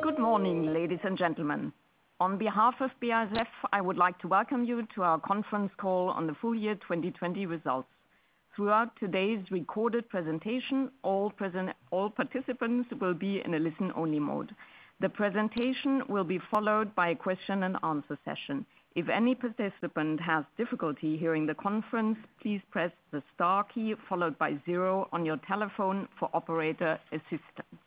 Good morning, ladies and gentlemen. On behalf of BASF, I would like to welcome you to our conference call on the full year 2020 results. Throughout today's recorded presentation, all participants will be in a listen-only mode. The presentation will be followed by a question and answer session. If any participant has difficulty hearing the conference, please press the star key followed by zero on your telephone for operator assistance.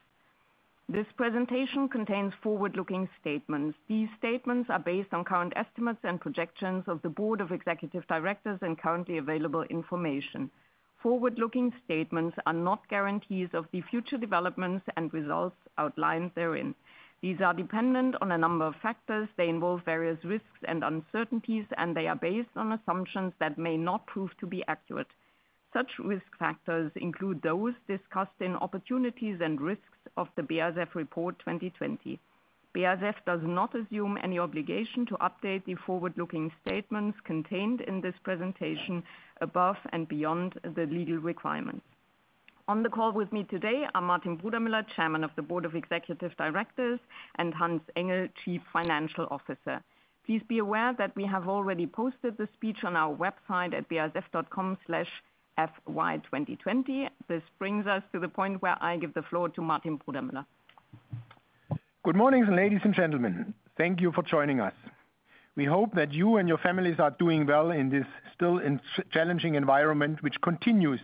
This presentation contains forward-looking statements. These statements are based on current estimates and projections of the Board of Executive Directors and currently available information. Forward-looking statements are not guarantees of the future developments and results outlined therein. These are dependent on a number of factors. They involve various risks and uncertainties, and they are based on assumptions that may not prove to be accurate. Such risk factors include those discussed in opportunities and risks of the BASF report 2020. BASF does not assume any obligation to update the forward-looking statements contained in this presentation above and beyond the legal requirements. On the call with me today are Martin Brudermüller, Chairman of the Board of Executive Directors, and Hans Engel, Chief Financial Officer. Please be aware that we have already posted the speech on our website at basf.com/fy2020. This brings us to the point where I give the floor to Martin Brudermüller. Good morning, ladies and gentlemen. Thank you for joining us. We hope that you and your families are doing well in this still challenging environment, which continues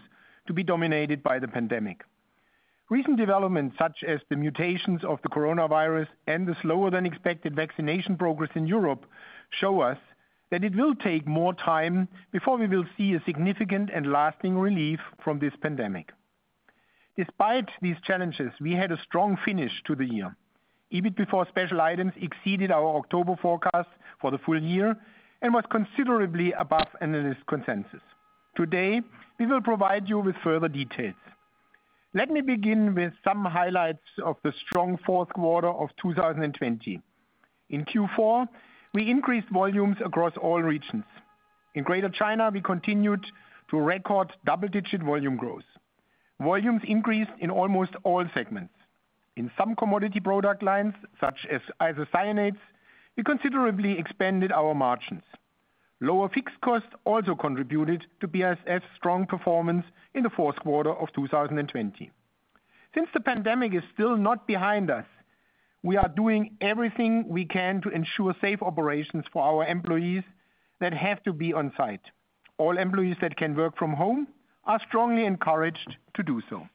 to be dominated by the pandemic. Recent developments such as the mutations of the coronavirus and the slower than expected vaccination progress in Europe show us that it will take more time before we will see a significant and lasting relief from this pandemic. Despite these challenges, we had a strong finish to the year. EBIT before special items exceeded our October forecast for the full year and was considerably above analyst consensus. Today, we will provide you with further details. Let me begin with some highlights of the strong fourth quarter of 2020. In Q4, we increased volumes across all regions. In Greater China, we continued to record double-digit volume growth. Volumes increased in almost all segments. In some commodity product lines, such as isocyanates, we considerably expanded our margins. Lower fixed costs also contributed to BASF's strong performance in the fourth quarter of 2020. Since the pandemic is still not behind us, we are doing everything we can to ensure safe operations for our employees that have to be on-site. All employees that can work from home are strongly encouraged to do so.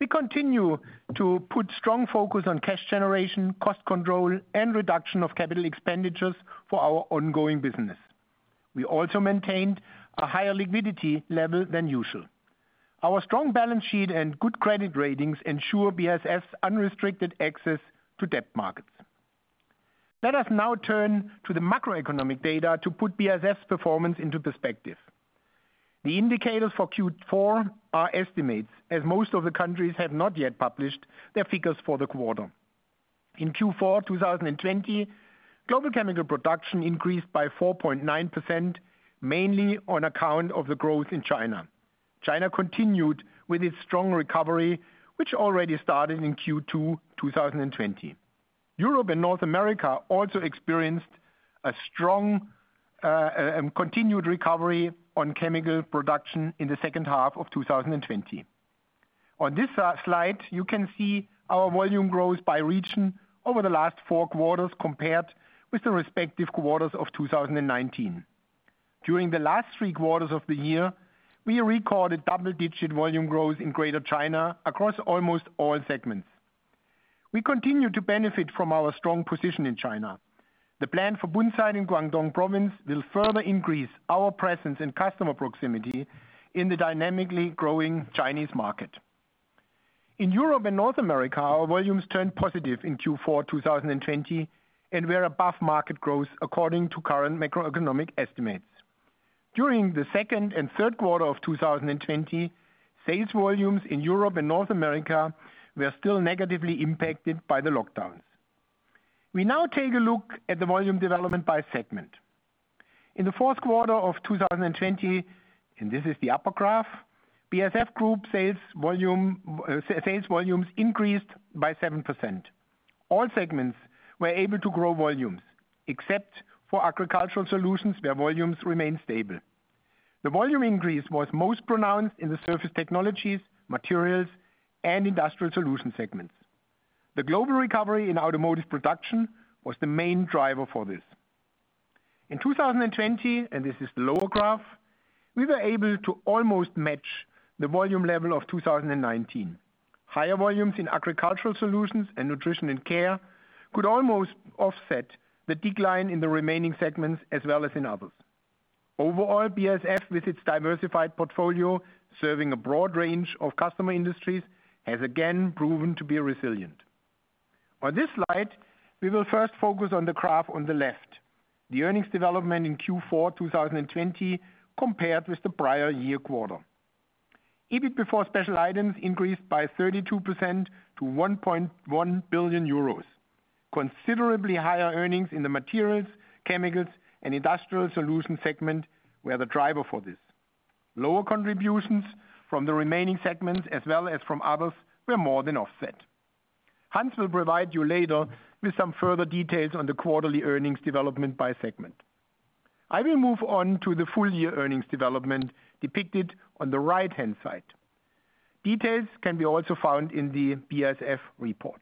We continue to put strong focus on cash generation, cost control, and reduction of capital expenditures for our ongoing business. We also maintained a higher liquidity level than usual. Our strong balance sheet and good credit ratings ensure BASF unrestricted access to debt markets. Let us now turn to the macroeconomic data to put BASF's performance into perspective. The indicators for Q4 are estimates, as most of the countries have not yet published their figures for the quarter. In Q4 2020, global chemical production increased by 4.9%, mainly on account of the growth in China. China continued with its strong recovery, which already started in Q2 2020. Europe and North America also experienced a strong, continued recovery on chemical production in the second half of 2020. On this slide, you can see our volume growth by region over the last four quarters compared with the respective quarters of 2019. During the last three quarters of the year, we recorded double-digit volume growth in Greater China across almost all segments. We continue to benefit from our strong position in China. The Verbund site in Guangdong Province will further increase our presence and customer proximity in the dynamically growing Chinese market. In Europe and North America, our volumes turned positive in Q4 2020 and were above market growth according to current macroeconomic estimates. During the second and third quarter of 2020, sales volumes in Europe and North America were still negatively impacted by the lockdowns. We now take a look at the volume development by segment. In the fourth quarter of 2020, and this is the upper graph, BASF Group sales volumes increased by 7%. All segments were able to grow volumes except for Agricultural Solutions, where volumes remained stable. The volume increase was most pronounced in the Surface Technologies, Materials, and Industrial Solution segments. The global recovery in automotive production was the main driver for this. In 2020, and this is the lower graph, we were able to almost match the volume level of 2019. Higher volumes in Agricultural Solutions and Nutrition and Care could almost offset the decline in the remaining segments as well as in Others. Overall, BASF, with its diversified portfolio serving a broad range of customer industries, has again proven to be resilient. On this slide, we will first focus on the graph on the left, the earnings development in Q4 2020 compared with the prior year quarter. EBIT before special items increased by 32% to 1.1 billion euros. Considerably higher earnings in the Materials, Chemicals, and Industrial Solutions segment were the driver for this. Lower contributions from the remaining segments as well as from Others were more than offset. Hans will provide you later with some further details on the quarterly earnings development by segment. I will move on to the full year earnings development depicted on the right-hand side. Details can be also found in the BASF report.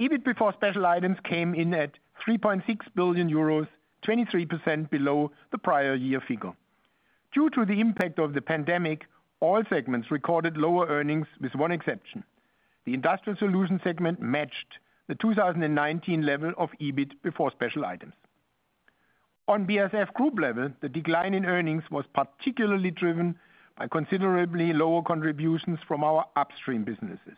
EBIT before special items came in at 3.6 billion euros, 23% below the prior year figure. Due to the impact of the pandemic, all segments recorded lower earnings with one exception. The Industrial Solutions segment matched the 2019 level of EBIT before special items. On BASF group level, the decline in earnings was particularly driven by considerably lower contributions from our upstream businesses.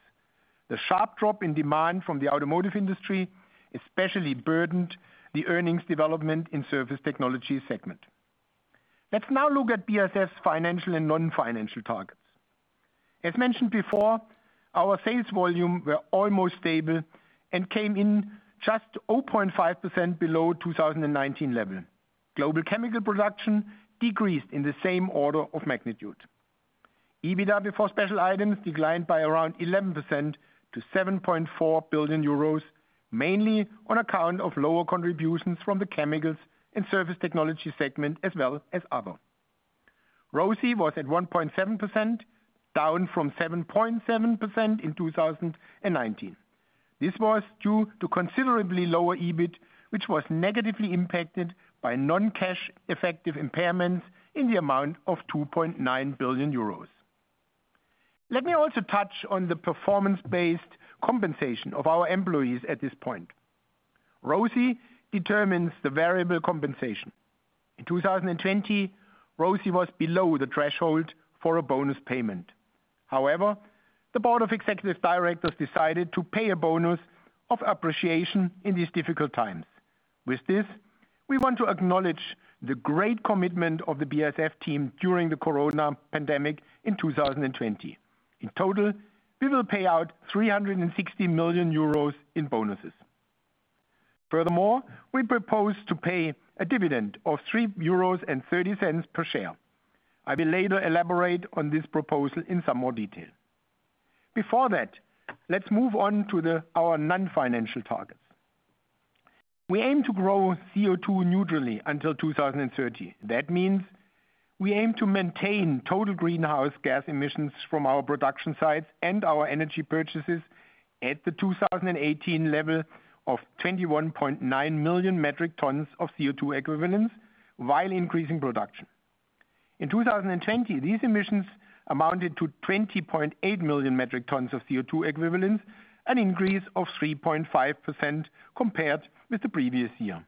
The sharp drop in demand from the automotive industry especially burdened the earnings development in Surface Technologies segment. Let's now look at BASF's financial and non-financial targets. As mentioned before, our sales volume were almost stable and came in just 0.5% below 2019 level. Global chemical production decreased in the same order of magnitude. EBITDA before special items declined by around 11% to 7.4 billion euros, mainly on account of lower contributions from the Chemicals and Surface Technologies segment as well as Other. ROCE was at 1.7%, down from 7.7% in 2019. This was due to considerably lower EBIT, which was negatively impacted by non-cash effective impairments in the amount of 2.9 billion euros. Let me also touch on the performance-based compensation of our employees at this point. ROCE determines the variable compensation. In 2020, ROCE was below the threshold for a bonus payment. However, the Board of Executive Directors decided to pay a bonus of appreciation in these difficult times. With this, we want to acknowledge the great commitment of the BASF team during the corona pandemic in 2020. In total, we will pay out 360 million euros in bonuses. Furthermore, we propose to pay a dividend of 3.30 euros per share. I will later elaborate on this proposal in some more detail. Before that, let's move on to our non-financial targets. We aim to grow CO2 neutrally until 2030. That means we aim to maintain total greenhouse gas emissions from our production sites and our energy purchases at the 2018 level of 21.9 million metric tons of CO2 equivalents while increasing production. In 2020, these emissions amounted to 20.8 million metric tons of CO2 equivalents, an increase of 3.5% compared with the previous year.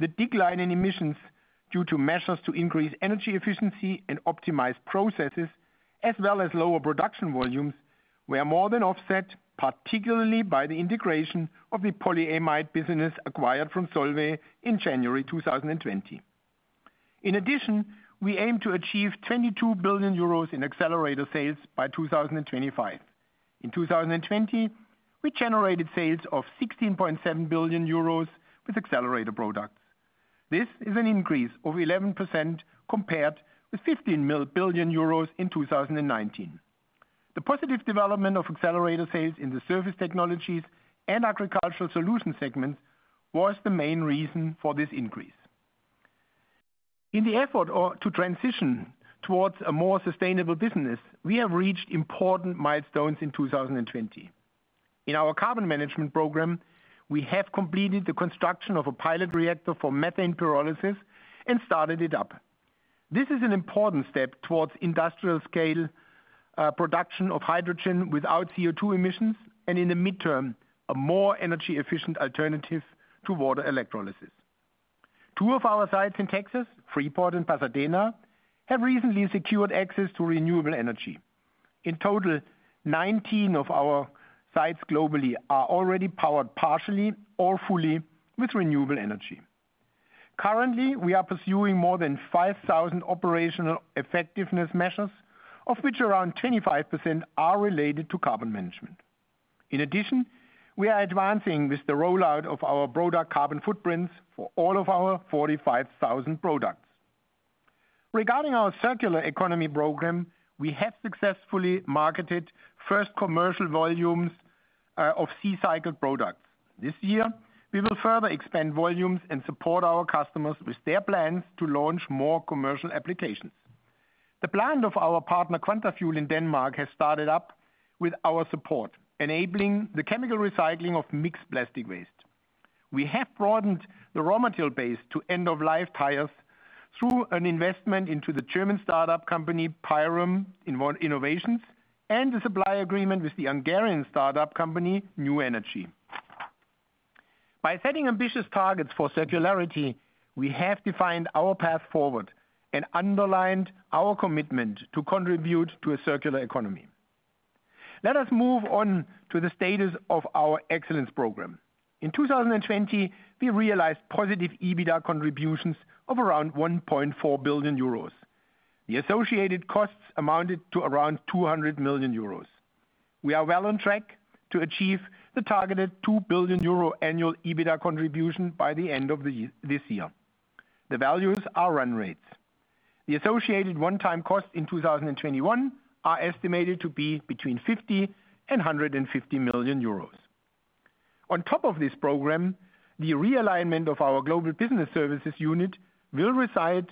The decline in emissions, due to measures to increase energy efficiency and optimize processes as well as lower production volumes, were more than offset, particularly by the integration of the polyamide business acquired from Solvay in January 2020. In addition, we aim to achieve 22 billion euros in Accelerator sales by 2025. In 2020, we generated sales of 16.7 billion euros with Accelerator products. This is an increase of 11% compared with 15 billion euros in 2019. The positive development of Accelerator sales in the Surface Technologies and Agricultural Solutions segment was the main reason for this increase. In the effort to transition towards a more sustainable business, we have reached important milestones in 2020. In our Carbon Management Program, we have completed the construction of a pilot reactor for methane pyrolysis and started it up. This is an important step towards industrial-scale production of hydrogen without CO2 emissions, and in the midterm, a more energy-efficient alternative to water electrolysis. Two of our sites in Texas, Freeport and Pasadena, have recently secured access to renewable energy. In total, 19 of our sites globally are already powered partially or fully with renewable energy. Currently, we are pursuing more than 5,000 operational effectiveness measures, of which around 25% are related to Carbon Management. In addition, we are advancing with the rollout of our product carbon footprints for all of our 45,000 products. Regarding our Circular Economy Program, we have successfully marketed first commercial volumes of Ccycled products. This year, we will further expand volumes and support our customers with their plans to launch more commercial applications. The plant of our partner, Quantafuel, in Denmark has started up with our support, enabling the chemical recycling of mixed plastic waste. We have broadened the raw material base to end-of-life tires through an investment into the German startup company, Pyrum Innovations, and a supply agreement with the Hungarian startup company, New Energy. By setting ambitious targets for circularity, we have defined our path forward and underlined our commitment to contribute to a circular economy. Let us move on to the status of our excellence program. In 2020, we realized positive EBITDA contributions of around 1.4 billion euros. The associated costs amounted to around 200 million euros. We are well on track to achieve the targeted 2 billion euro annual EBITDA contribution by the end of this year. The values are run rates. The associated one-time costs in 2021 are estimated to be between 50 million euros and 150 million euros. On top of this program, the realignment of our global business services unit will result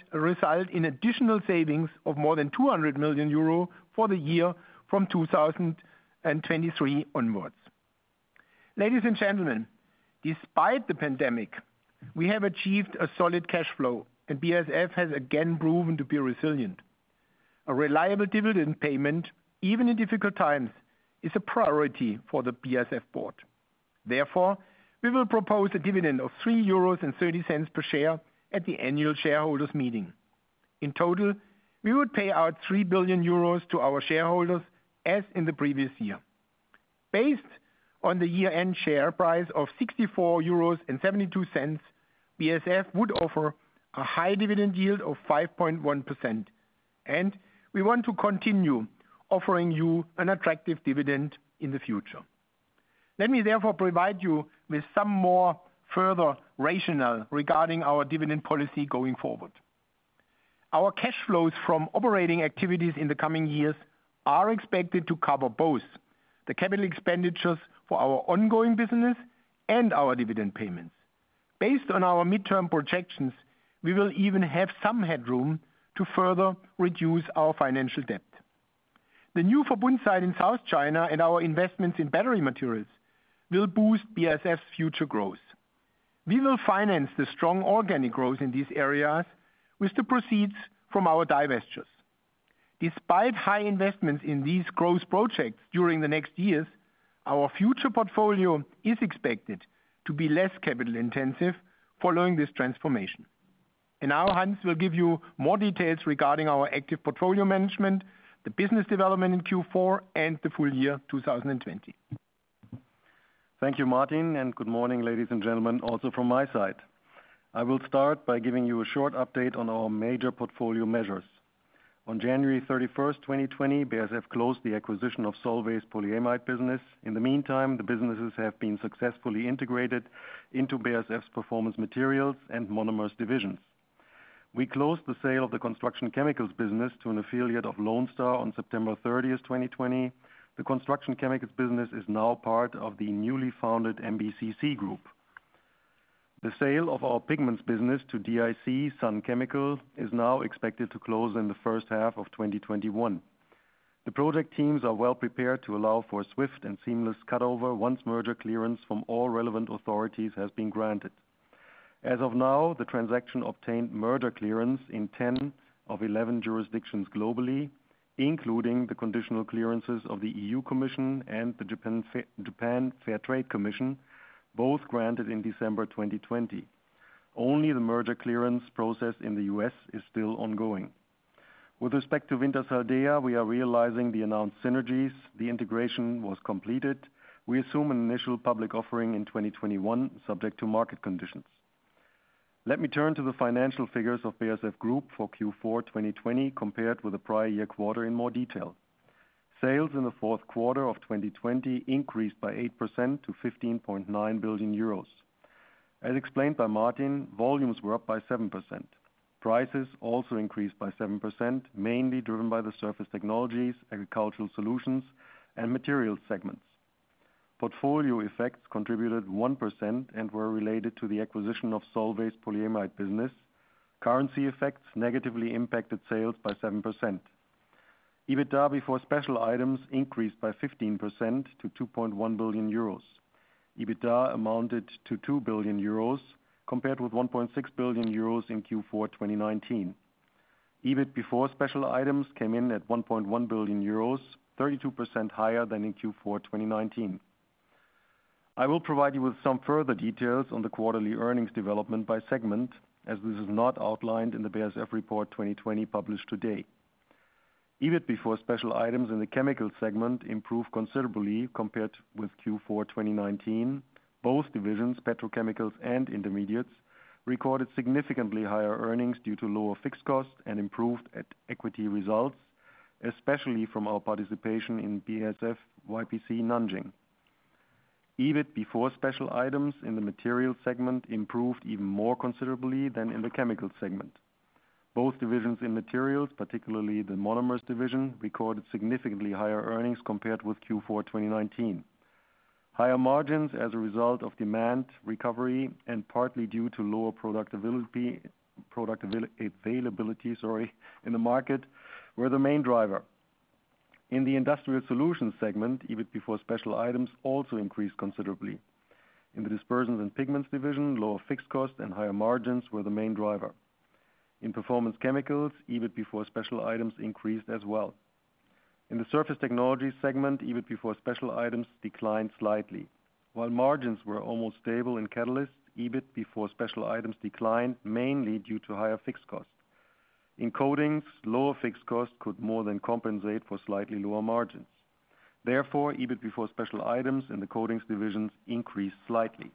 in additional savings of more than 200 million euro for the year from 2023 onwards. Ladies and gentlemen, despite the pandemic, we have achieved a solid cash flow, and BASF has again proven to be resilient. A reliable dividend payment, even in difficult times, is a priority for the BASF Board. Therefore, we will propose a dividend of 3.30 euros per share at the annual shareholders meeting. In total, we would pay out 3 billion euros to our shareholders as in the previous year. Based on the year-end share price of 64.72 euros, BASF would offer a high dividend yield of 5.1%, and we want to continue offering you an attractive dividend in the future. Let me therefore provide you with some more further rationale regarding our dividend policy going forward. Our cash flows from operating activities in the coming years are expected to cover both the capital expenditures for our ongoing business and our dividend payments. Based on our midterm projections, we will even have some headroom to further reduce our financial debt. The new Verbund site in South China and our investments in battery materials will boost BASF's future growth. We will finance the strong organic growth in these areas with the proceeds from our divestitures. Despite high investments in these growth projects during the next years, our future portfolio is expected to be less capital intensive following this transformation. Now Hans will give you more details regarding our active portfolio management, the business development in Q4, and the full year 2020. Thank you, Martin, and good morning, ladies and gentlemen, also from my side. I will start by giving you a short update on our major portfolio measures. On January 31st, 2020, BASF closed the acquisition of Solvay's polyamide business. In the meantime, the businesses have been successfully integrated into BASF's Performance Materials and Monomers divisions. We closed the sale of the construction chemicals business to an affiliate of Lone Star on September 30th, 2020. The construction chemicals business is now part of the newly founded MBCC Group. The sale of our pigments business to DIC/Sun Chemical is now expected to close in the first half of 2021. The project teams are well prepared to allow for a swift and seamless cut-over once merger clearance from all relevant authorities has been granted. As of now, the transaction obtained merger clearance in 10 of 11 jurisdictions globally, including the conditional clearances of the EU Commission and the Japan Fair Trade Commission, both granted in December 2020. Only the merger clearance process in the U.S. is still ongoing. With respect to Wintershall Dea, we are realizing the announced synergies. The integration was completed. We assume an initial public offering in 2021, subject to market conditions. Let me turn to the financial figures of BASF Group for Q4 2020 compared with the prior year quarter in more detail. Sales in the fourth quarter of 2020 increased by 8% to 15.9 billion euros. As explained by Martin, volumes were up by 7%. Prices also increased by 7%, mainly driven by the Surface Technologies, Agricultural Solutions, and Materials segments. Portfolio effects contributed 1% and were related to the acquisition of Solvay's polyamide business. Currency effects negatively impacted sales by 7%. EBITDA before special items increased by 15% to 2.1 billion euros. EBITDA amounted to 2 billion euros compared with 1.6 billion euros in Q4 2019. EBIT before special items came in at 1.1 billion euros, 32% higher than in Q4 2019. I will provide you with some further details on the quarterly earnings development by segment, as this is not outlined in the BASF Report 2020 published today. EBIT before special items in the chemical segment improved considerably compared with Q4 2019. Both divisions, petrochemicals and intermediates, recorded significantly higher earnings due to lower fixed costs and improved equity results, especially from our participation in BASF-YPC Nanjing. EBIT before special items in the materials segment improved even more considerably than in the chemical segment. Both divisions in materials, particularly the monomers division, recorded significantly higher earnings compared with Q4 2019. Higher margins as a result of demand recovery and partly due to lower product availability in the market were the main driver. In the industrial solutions segment, EBIT before special items also increased considerably. In the Dispersions and Pigments division, lower fixed costs and higher margins were the main driver. In performance chemicals, EBIT before special items increased as well. In the Surface Technologies segment, EBIT before special items declined slightly. While margins were almost stable in catalysts, EBIT before special items declined mainly due to higher fixed costs. In coatings, lower fixed costs could more than compensate for slightly lower margins. Therefore, EBIT before special items in the coatings divisions increased slightly.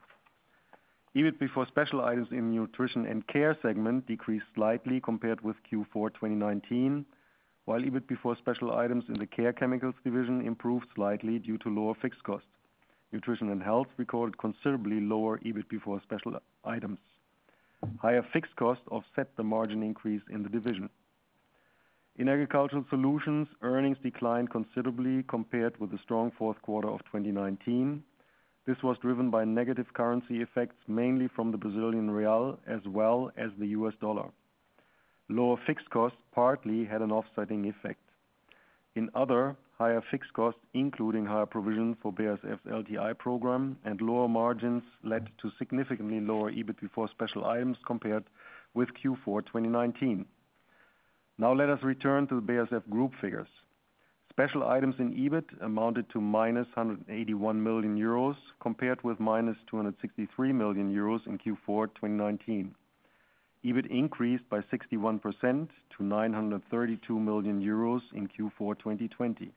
EBIT before special items in Nutrition and Care segment decreased slightly compared with Q4 2019, while EBIT before special items in the Care Chemicals division improved slightly due to lower fixed costs. Nutrition and Health recorded considerably lower EBIT before special items. Higher fixed costs offset the margin increase in the division. In Agricultural Solutions, earnings declined considerably compared with the strong fourth quarter of 2019. This was driven by negative currency effects, mainly from the Brazilian real as well as the US dollar. Lower fixed costs partly had an offsetting effect. In Other, higher fixed costs, including higher provision for BASF's LTI program and lower margins led to significantly lower EBIT before special items compared with Q4 2019. Now let us return to the BASF Group figures. Special items in EBIT amounted to -181 million euros compared with -263 million euros in Q4 2019. EBIT increased by 61% to 932 million euros in Q4 2020.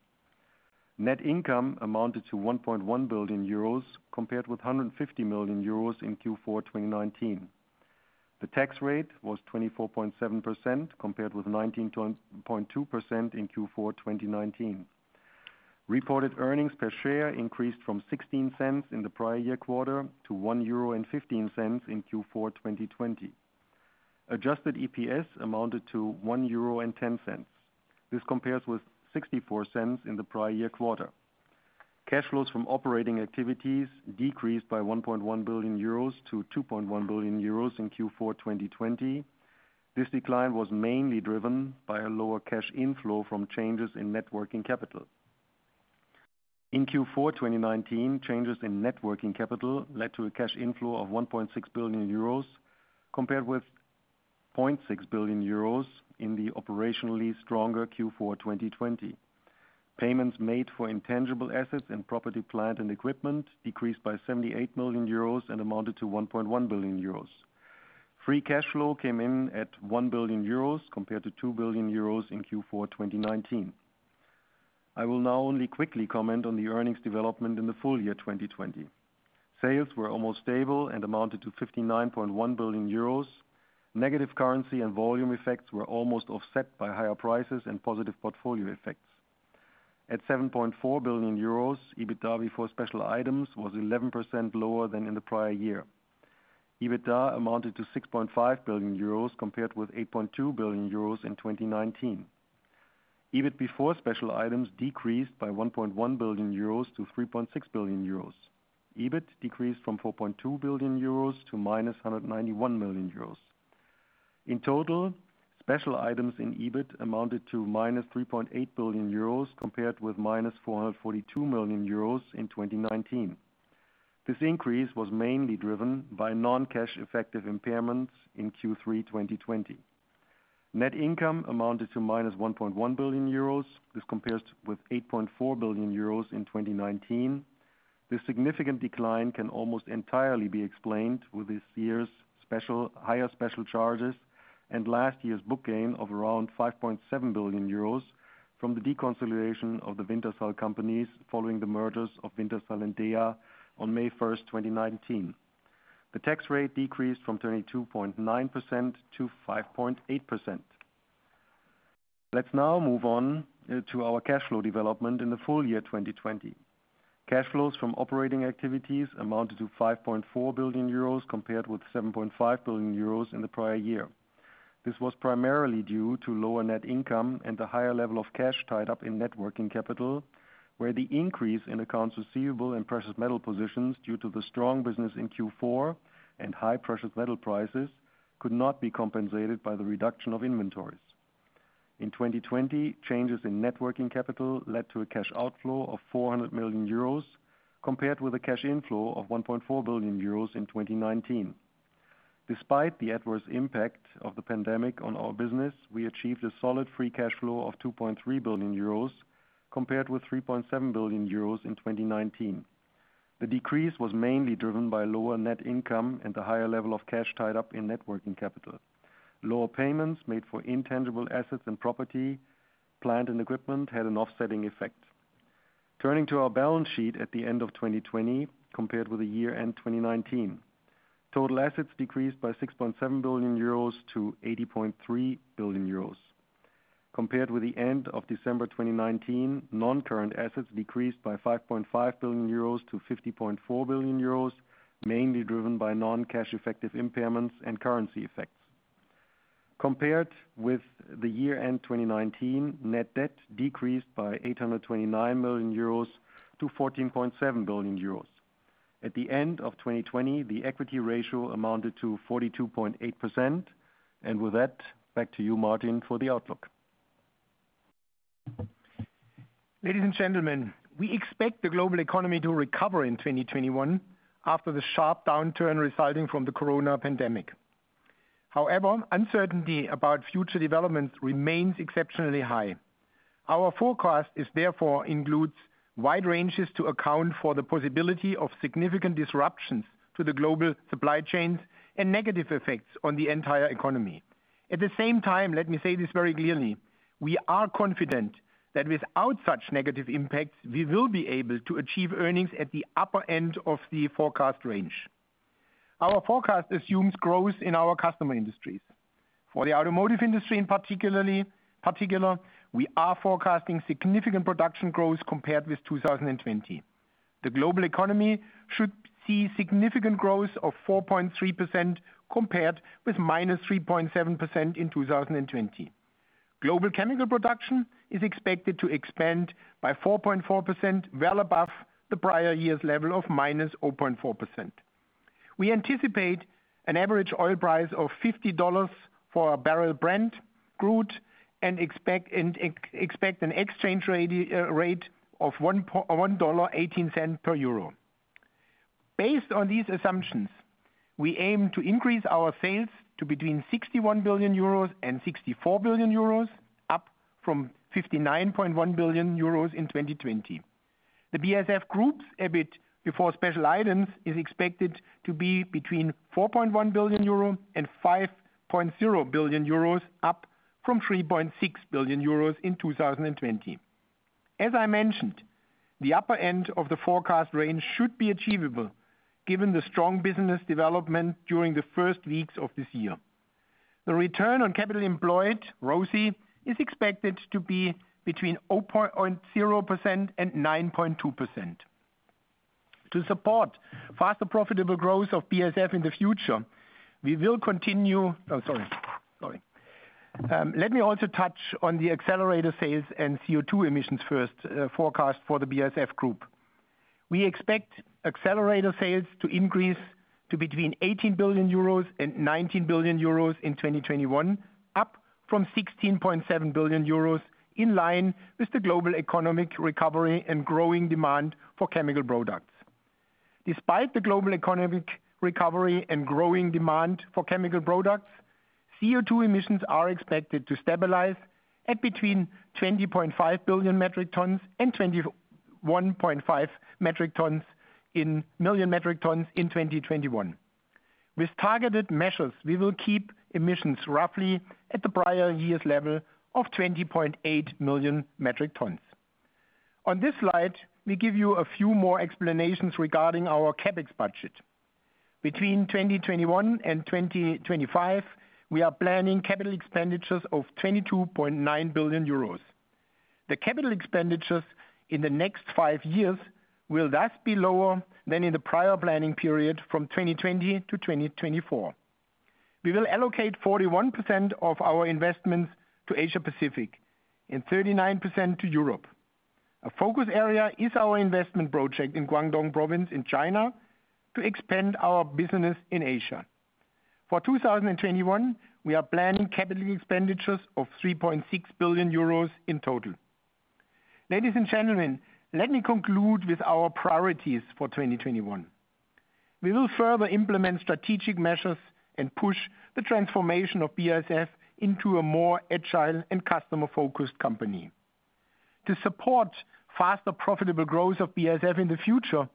Net income amounted to 1.1 billion euros compared with 150 million euros in Q4 2019. The tax rate was 24.7% compared with 19.2% in Q4 2019. Reported earnings per share increased from 0.16 in the prior year quarter to 1.15 euro in Q4 2020. Adjusted EPS amounted to 1.10 euro. This compares with 0.64 in the prior year quarter. Cash flows from operating activities decreased by 1.1 billion euros to 2.1 billion euros in Q4 2020. This decline was mainly driven by a lower cash inflow from changes in net working capital. In Q4 2019, changes in net working capital led to a cash inflow of 1.6 billion euros compared with 0.6 billion euros in the operationally stronger Q4 2020. Payments made for intangible assets and property, plant, and equipment decreased by 78 million euros and amounted to 1.1 billion euros. Free cash flow came in at 1 billion euros compared to 2 billion euros in Q4 2019. I will now only quickly comment on the earnings development in the full year 2020. Sales were almost stable and amounted to 59.1 billion euros. Negative currency and volume effects were almost offset by higher prices and positive portfolio effects. At 7.4 billion euros, EBITDA before special items was 11% lower than in the prior year. EBITDA amounted to 6.5 billion euros compared with 8.2 billion euros in 2019. EBIT before special items decreased by 1.1 billion euros to 3.6 billion euros. EBIT decreased from 4.2 billion euros to -191 million euros. In total, special items in EBIT amounted to minus 3.8 billion euros compared with -442 million euros in 2019. This increase was mainly driven by non-cash effective impairments in Q3 2020. Net income amounted to -1.1 billion euros. This compares with 8.4 billion euros in 2019. This significant decline can almost entirely be explained with this year's higher special charges and last year's book gain of around 5.7 billion euros from the deconsolidation of the Wintershall companies following the mergers of Wintershall and DEA on May 1st, 2019. The tax rate decreased from 22.9% to 5.8%. Let's now move on to our cash flow development in the full year 2020. Cash flows from operating activities amounted to 5.4 billion euros compared with 7.5 billion euros in the prior year. This was primarily due to lower net income and the higher level of cash tied up in net working capital, where the increase in accounts receivable and precious metal positions due to the strong business in Q4 and high precious metal prices could not be compensated by the reduction of inventories. In 2020, changes in net working capital led to a cash outflow of 400 million euros compared with a cash inflow of 1.4 billion euros in 2019. Despite the adverse impact of the pandemic on our business, we achieved a solid free cash flow of 2.3 billion euros compared with 3.7 billion euros in 2019. The decrease was mainly driven by lower net income and the higher level of cash tied up in net working capital. Lower payments made for intangible assets and property, plant, and equipment had an offsetting effect. Turning to our balance sheet at the end of 2020 compared with the year-end 2019. Total assets decreased by 6.7 billion euros to 80.3 billion euros. Compared with the end of December 2019, non-current assets decreased by 5.5 billion euros to 50.4 billion euros, mainly driven by non-cash effective impairments and currency effects. Compared with the year-end 2019, net debt decreased by 829 million euros to 14.7 billion euros. At the end of 2020, the equity ratio amounted to 42.8%. With that, back to you, Martin, for the outlook. Ladies and gentlemen, we expect the global economy to recover in 2021 after the sharp downturn resulting from the corona pandemic. However, uncertainty about future developments remains exceptionally high. Our forecast, therefore, includes wide ranges to account for the possibility of significant disruptions to the global supply chains and negative effects on the entire economy. At the same time, let me say this very clearly, we are confident that without such negative impacts, we will be able to achieve earnings at the upper end of the forecast range. Our forecast assumes growth in our customer industries. For the automotive industry in particular, we are forecasting significant production growth compared with 2020. The global economy should see significant growth of 4.3% compared with -3.7% in 2020. Global chemical production is expected to expand by 4.4%, well above the prior year's level of -0.4%. We anticipate an average oil price of $50 for a barrel Brent crude and expect an exchange rate of $1.18 per EUR. Based on these assumptions, we aim to increase our sales to between 61 billion-64 billion euros up from 59.1 billion euros in 2020. The BASF Group's EBIT, before special items, is expected to be between 4.1 billion-5.0 billion euro up from 3.6 billion euros in 2020. As I mentioned, the upper end of the forecast range should be achievable given the strong business development during the first weeks of this year. The return on capital employed, ROCE, is expected to be between 0.0%-9.2%. To support faster profitable growth of BASF in the future, Oh, sorry. Let me also touch on the Accelerator sales and CO2 emissions first forecast for the BASF Group. We expect Accelerator sales to increase to between 18 billion euros and 19 billion euros in 2021, up from 16.7 billion euros, in line with the global economic recovery and growing demand for chemical products. Despite the global economic recovery and growing demand for chemical products, CO2 emissions are expected to stabilize at between 20.5 million metric tons and 21.5 million metric tons in 2021. With targeted measures, we will keep emissions roughly at the prior year's level of 20.8 million metric tons. On this slide, we give you a few more explanations regarding our CapEx budget. Between 2021 and 2025, we are planning capital expenditures of 22.9 billion euros. The capital expenditures in the next five years will thus be lower than in the prior planning period from 2020 to 2024. We will allocate 41% of our investments to Asia Pacific and 39% to Europe. A focus area is our investment project in Guangdong Province in China to expand our business in Asia. For 2021, we are planning capital expenditures of 3.6 billion euros in total. Ladies and gentlemen, let me conclude with our priorities for 2021. We will further implement strategic measures and push the transformation of BASF into a more agile and customer-focused company. To support faster profitable growth of BASF in the future,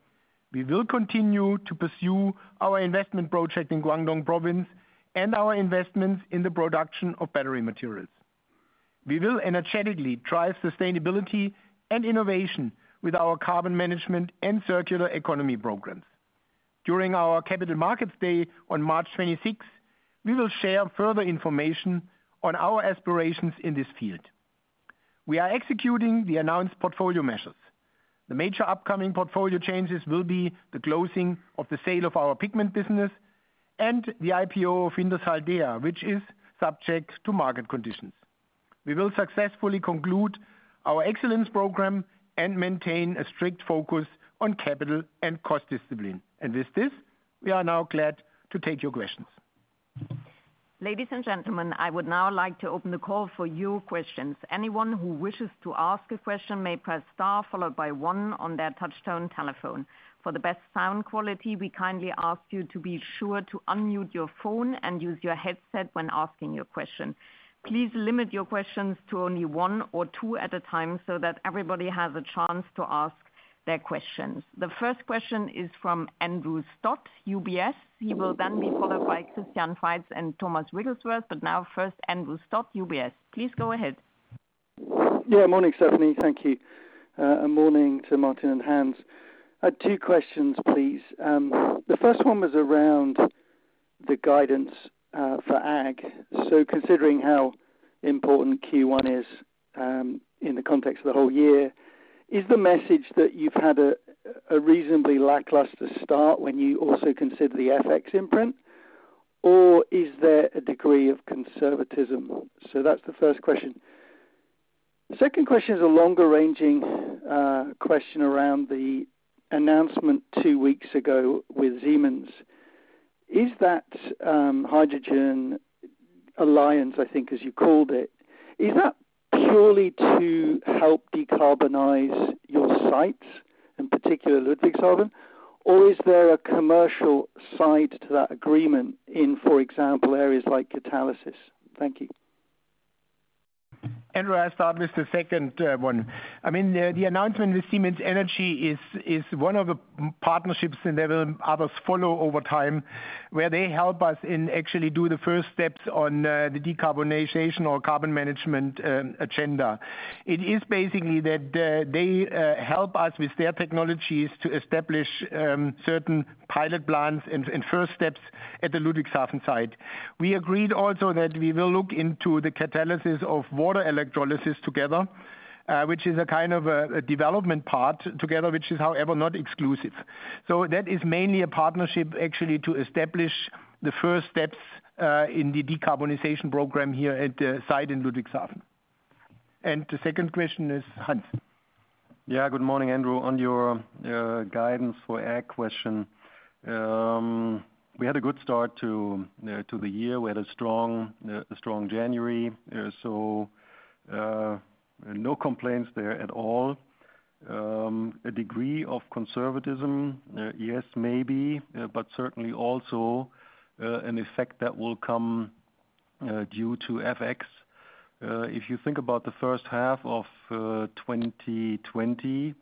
we will continue to pursue our investment project in Guangdong Province and our investments in the production of battery materials. We will energetically drive sustainability and innovation with our carbon management and circular economy programs. During our capital markets day on March 26th, we will share further information on our aspirations in this field. We are executing the announced portfolio measures. The major upcoming portfolio changes will be the closing of the sale of our pigment business and the IPO of Wintershall Dea, which is subject to market conditions. We will successfully conclude our excellence program and maintain a strict focus on capital and cost discipline. With this, we are now glad to take your questions. Ladies and gentlemen, I would now like to open the call for your questions. The first question is from Andrew Stott, UBS. He will then be followed by Christian Faitz and Thomas Wrigglesworth. Now first Andrew Stott, UBS. Please go ahead. Morning, Stefanie. Thank you. Morning to Martin and Hans. I had two questions, please. The first one was around the guidance for ag. Considering how important Q1 is in the context of the whole year, is the message that you've had a reasonably lackluster start when you also consider the FX imprint, or is there a degree of conservatism? That's the first question. The second question is a longer-ranging question around the announcement two weeks ago with Siemens. Is that hydrogen alliance, I think, as you called it, is that purely to help decarbonize your sites, in particular Ludwigshafen? Or is there a commercial side to that agreement in, for example, areas like catalysis? Thank you. Andrew, I'll start with the second one. The announcement with Siemens Energy is one of the partnerships, and there will others follow over time, where they help us and actually do the first steps on the decarbonization or carbon management agenda. It is basically that they help us with their technologies to establish certain pilot plants and first steps at the Ludwigshafen site. We agreed also that we will look into the catalysis of water electrolysis together, which is a kind of a development part together, which is, however, not exclusive. That is mainly a partnership actually to establish the first steps in the decarbonization program here at the site in Ludwigshafen. The second question is Hans. Yeah. Good morning, Andrew. On your guidance for Ag question, we had a good start to the year. We had a strong January, no complaints there at all. A degree of conservatism, yes, maybe, certainly also an effect that will come due to FX. If you think about the first half of 2020,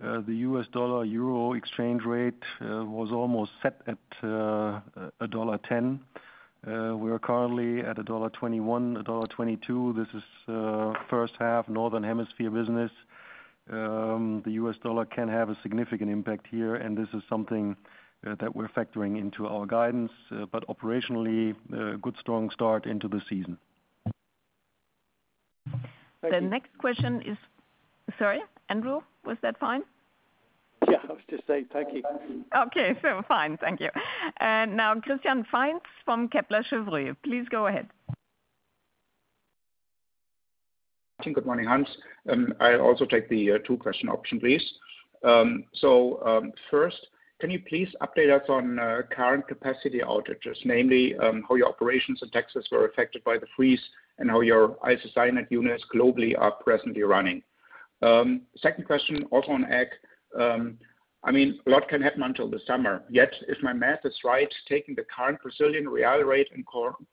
the U.S. dollar-euro exchange rate was almost set at EUR 1.10. We are currently at EUR 1.21, EUR 1.22. This is first half Northern Hemisphere business. The U.S. dollar can have a significant impact here, this is something that we're factoring into our guidance. Operationally, a good strong start into the season. Thank you. The next question is, sorry, Andrew, was that fine? Yeah, I was just saying thank you. Okay, fine. Thank you. Now Christian Faitz from Kepler Cheuvreux, please go ahead. Good morning, Hans. I also take the two-question option, please. First, can you please update us on current capacity outages, namely, how your operations in Texas were affected by the freeze and how your isocyanates units globally are presently running? Second question, also on Ag. A lot can happen until the summer, yet if my math is right, taking the current Brazilian real rate and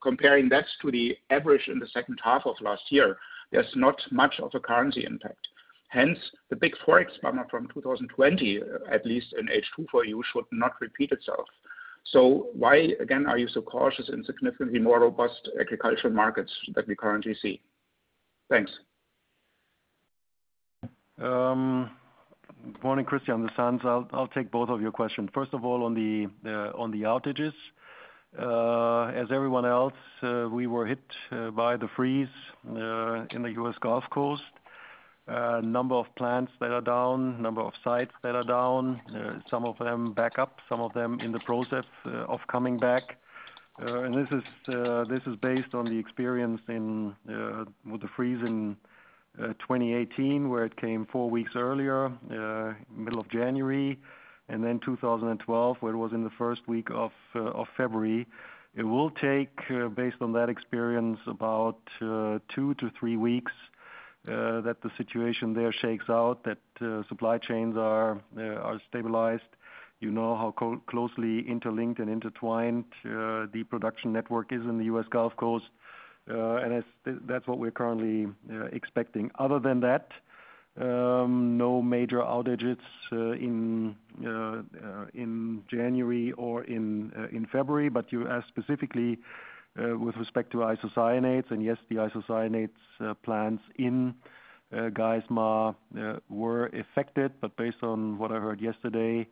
comparing that to the average in the second half of last year, there's not much of a currency impact. Hence, the big Forex bummer from 2020, at least in H2 for you, should not repeat itself. Why, again, are you so cautious in significantly more robust agricultural markets that we currently see? Thanks. Good morning, Christian. This is Hans. I'll take both of your questions. First of all, on the outages. As everyone else, we were hit by the freeze in the U.S. Gulf Coast. A number of plants that are down, a number of sites that are down, some of them back up, some of them in the process of coming back. This is based on the experience with the freeze in 2018, where it came four weeks earlier, middle of January, then 2012, where it was in the first week of February. It will take, based on that experience, about two to three weeks that the situation there shakes out, that supply chains are stabilized. You know how closely interlinked and intertwined the production network is in the U.S. Gulf Coast. That's what we're currently expecting. Other than that, no major outages in January or in February. You asked specifically with respect to isocyanates, and yes, the isocyanates plants in Geismar were affected, but based on what I heard yesterday,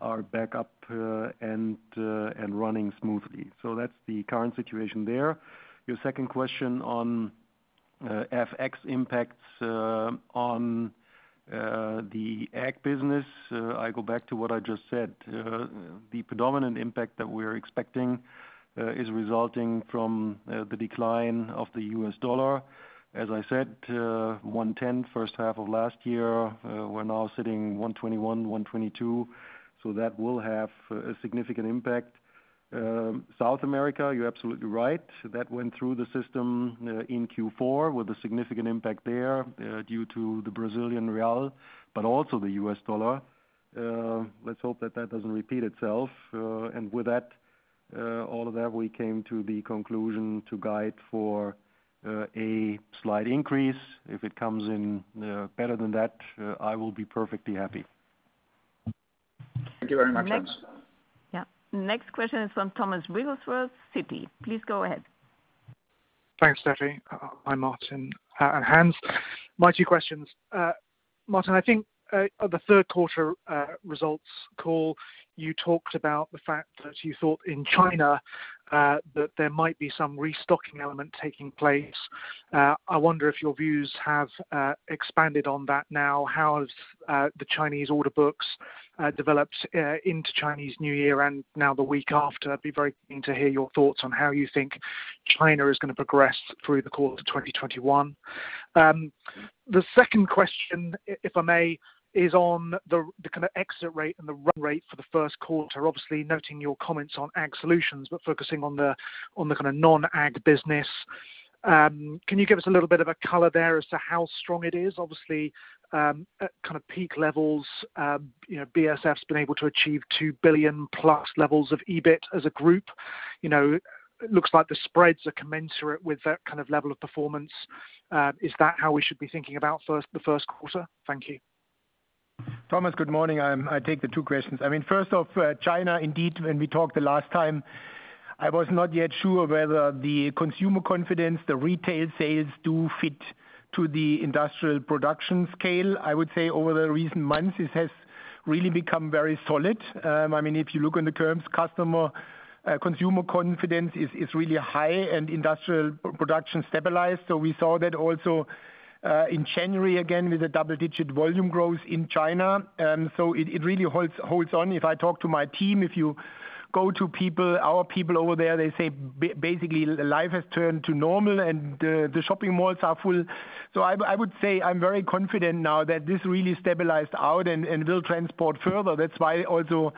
are back up and running smoothly. That's the current situation there. Your second question on FX impacts on the Ag business. I go back to what I just said. The predominant impact that we're expecting is resulting from the decline of the U.S. dollar. As I said, 110 first half of last year. We're now sitting 121, 122, that will have a significant impact. South America, you're absolutely right. That went through the system in Q4 with a significant impact there due to the Brazilian real, but also the U.S. dollar. Let's hope that that doesn't repeat itself. With that, all of that, we came to the conclusion to guide for a slight increase. If it comes in better than that, I will be perfectly happy. Thank you very much, Hans. Yeah. Next question is from Thomas Wrigglesworth, Citi. Please go ahead. Thanks, Stefanie. Hi, Martin and Hans. My two questions. Martin, I think at the third quarter results call, you talked about the fact that you thought in China, that there might be some restocking element taking place. I wonder if your views have expanded on that now. How have the Chinese order books developed into Chinese New Year and now the week after? I'd be very keen to hear your thoughts on how you think China is going to progress through the course of 2021. The second question, if I may, is on the kind of exit rate and the run rate for the first quarter, obviously noting your comments on Ag solutions, but focusing on the kind of non-Ag business. Can you give us a little bit of a color there as to how strong it is? Obviously, at peak levels, BASF's been able to achieve 2+ billion levels of EBIT as a group. It looks like the spreads are commensurate with that kind of level of performance. Is that how we should be thinking about the first quarter? Thank you. Thomas, good morning. I'll take the two questions. First off, China, indeed, when we talked the last time, I was not yet sure whether the consumer confidence, the retail sales do fit to the industrial production scale. I would say over the recent months, it has really become very solid. If you look on the curves, consumer confidence is really high and industrial production stabilized. We saw that also in January, again, with a double-digit volume growth in China. It really holds on. If I talk to my team, if you go to our people over there, they say basically life has turned to normal, and the shopping malls are full. I would say I'm very confident now that this really stabilized out and will transport further. That's why also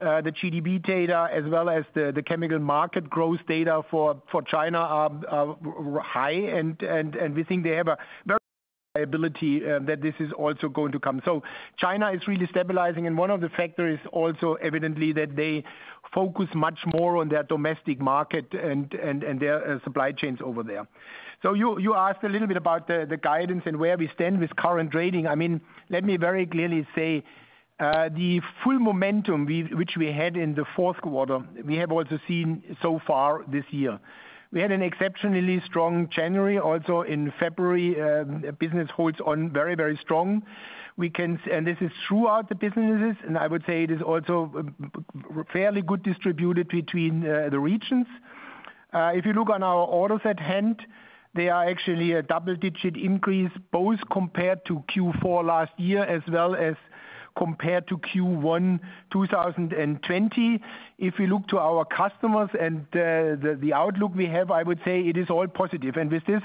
the GDP data, as well as the chemical market growth data for China are high, and we think they have a very high ability that this is also going to come. China is really stabilizing, and one of the factors also evidently that they focus much more on their domestic market and their supply chains over there. You asked a little bit about the guidance and where we stand with current trading. Let me very clearly say, the full momentum which we had in the fourth quarter, we have also seen so far this year. We had an exceptionally strong January. Also in February, business holds on very strong. This is throughout the businesses, and I would say it is also fairly good distributed between the regions. If you look on our orders at hand, they are actually a double-digit increase, both compared to Q4 last year as well as compared to Q1 2020. If we look to our customers and the outlook we have, I would say it is all positive. With this,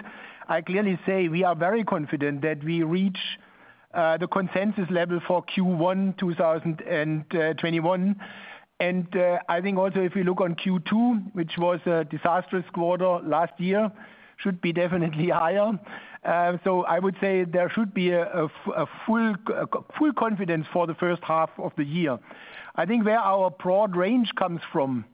I clearly say we are very confident that we reach the consensus level for Q1 2021. I think also if we look on Q2, which was a disastrous quarter last year, should be definitely higher. I would say there should be a full confidence for the first half of the year. I think where our broad range comes from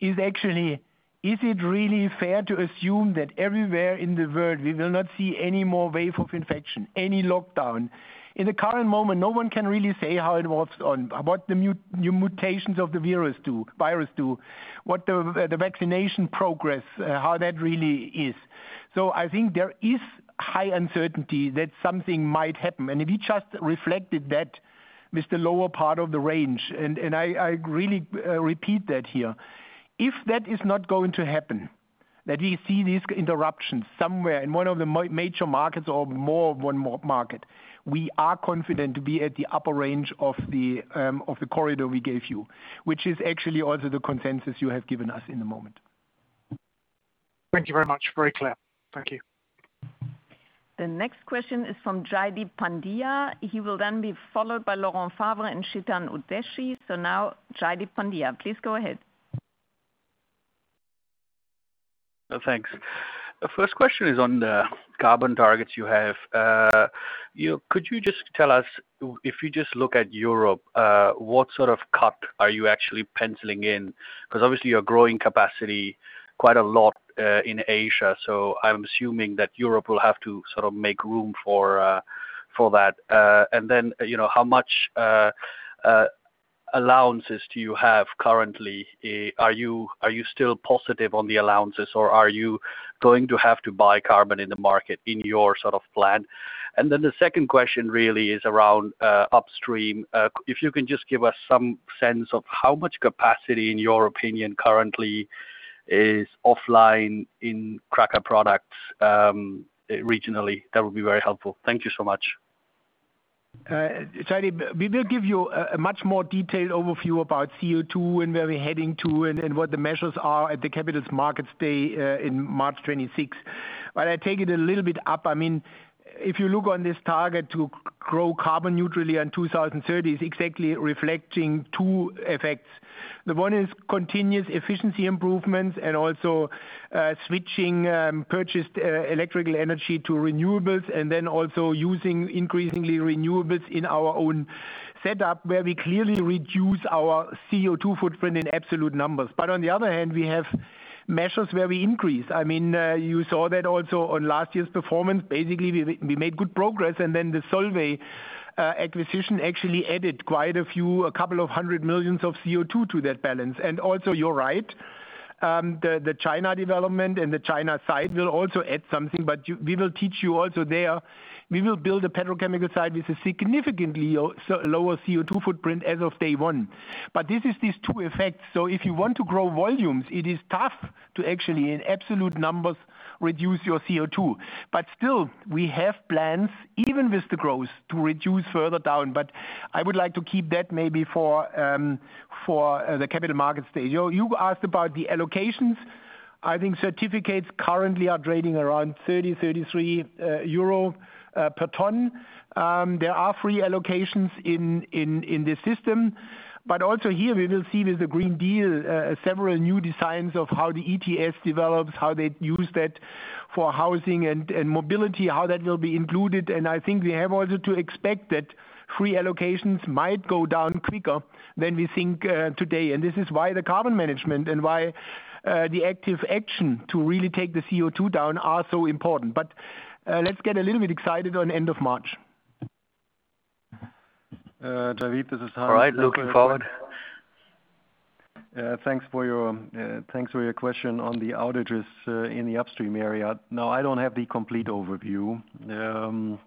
is actually, is it really fair to assume that everywhere in the world, we will not see any more wave of infection, any lockdown? In the current moment, no one can really say how it works on, what the new mutations of the virus do, what the vaccination progress, how that really is. I think there is high uncertainty that something might happen. We just reflected that with the lower part of the range. I really repeat that here. If that is not going to happen, that we see these interruptions somewhere in one of the major markets or more one market, we are confident to be at the upper range of the corridor we gave you, which is actually also the consensus you have given us in the moment. Thank you very much. Very clear. Thank you. The next question is from Jaideep Pandya. He will then be followed by Laurent Favre and Chetan Udeshi. Now Jaideep Pandya, please go ahead. Thanks. The first question is on the carbon targets you have. Could you just tell us, if you just look at Europe, what sort of cut are you actually penciling in? Obviously you're growing capacity quite a lot, in Asia, so I'm assuming that Europe will have to sort of make room for that. How much allowances do you have currently? Are you still positive on the allowances, or are you going to have to buy carbon in the market in your sort of plan? The second question really is around upstream. If you can just give us some sense of how much capacity, in your opinion, currently is offline in cracker products, regionally, that would be very helpful. Thank you so much. Jaideep, we will give you a much more detailed overview about CO2 and where we're heading to and what the measures are at the Capital Markets Day in March 26th. I take it a little bit up. If you look on this target to grow carbon neutrally on 2030, it's exactly reflecting two effects. The one is continuous efficiency improvements and also switching purchased electrical energy to renewables, and then also using increasingly renewables in our own setup where we clearly reduce our CO2 footprint in absolute numbers. On the other hand, we have measures where we increase. You saw that also on last year's performance. Basically, we made good progress, and then the Solvay acquisition actually added quite a few, a couple of hundred millions of CO2 to that balance. Also, you're right, the China development and the China side will also add something, but we will teach you also there, we will build a petrochemical side with a significantly lower CO2 footprint as of day one. This is these two effects. If you want to grow volumes, it is tough to actually, in absolute numbers, reduce your CO2. Still, we have plans, even with the growth, to reduce further down. I would like to keep that maybe for the Capital Markets Day. You asked about the allocations. I think certificates currently are trading around 30 euro, 33 euro per ton. There are free allocations in the system, but also here we will see with the European Green Deal, several new designs of how the ETS develops, how they use that for housing and mobility, how that will be included. I think we have also to expect that free allocations might go down quicker than we think today. This is why the carbon management and why the active action to really take the CO2 down are so important. Let's get a little bit excited on end of March. Jaideep, this is Hans. All right, looking forward. Thanks for your question on the outages in the upstream area. No, I don't have the complete overview.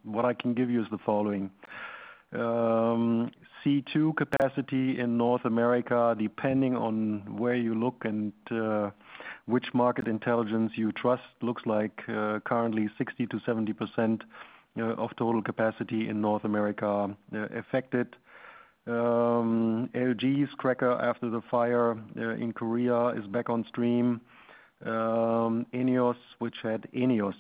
What I can give you is the following. C2 capacity in North America, depending on where you look and which market intelligence you trust, looks like currently 60%-70% of total capacity in North America affected. LG's cracker after the fire in Korea is back on stream. ENEOS,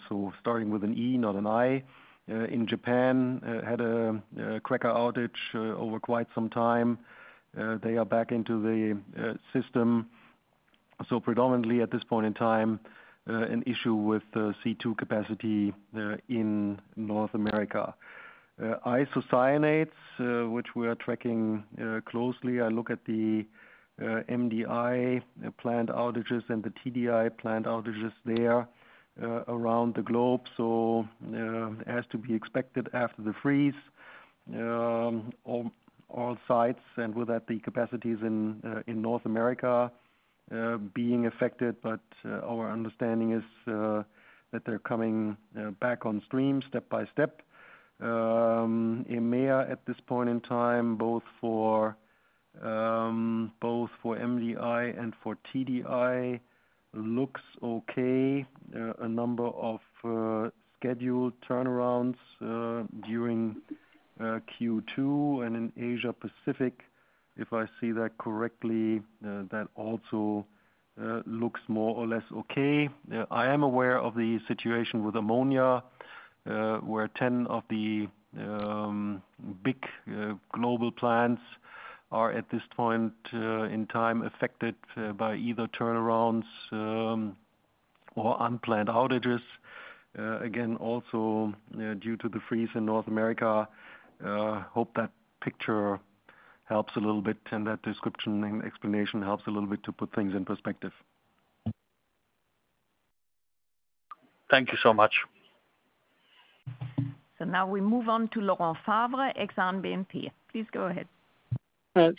so starting with an E, not an I, in Japan, had a cracker outage over quite some time. They are back into the system. Predominantly at this point in time, an issue with C2 capacity in North America. Isocyanates, which we are tracking closely. I look at the MDI plant outages and the TDI plant outages there around the globe. As to be expected after the freeze, all sites and with that the capacities in North America being affected, but our understanding is that they're coming back on stream step by step. EMEA at this point in time, both for MDI and for TDI looks okay. A number of scheduled turnarounds during Q2, and in Asia Pacific, if I see that correctly, that also looks more or less okay. I am aware of the situation with ammonia, where 10 of the big global plants are at this point in time affected by either turnarounds or unplanned outages. Also due to the freeze in North America. Hope that picture helps a little bit and that description and explanation helps a little bit to put things in perspective. Thank you so much. Now we move on to Laurent Favre, Exane BNP. Please go ahead.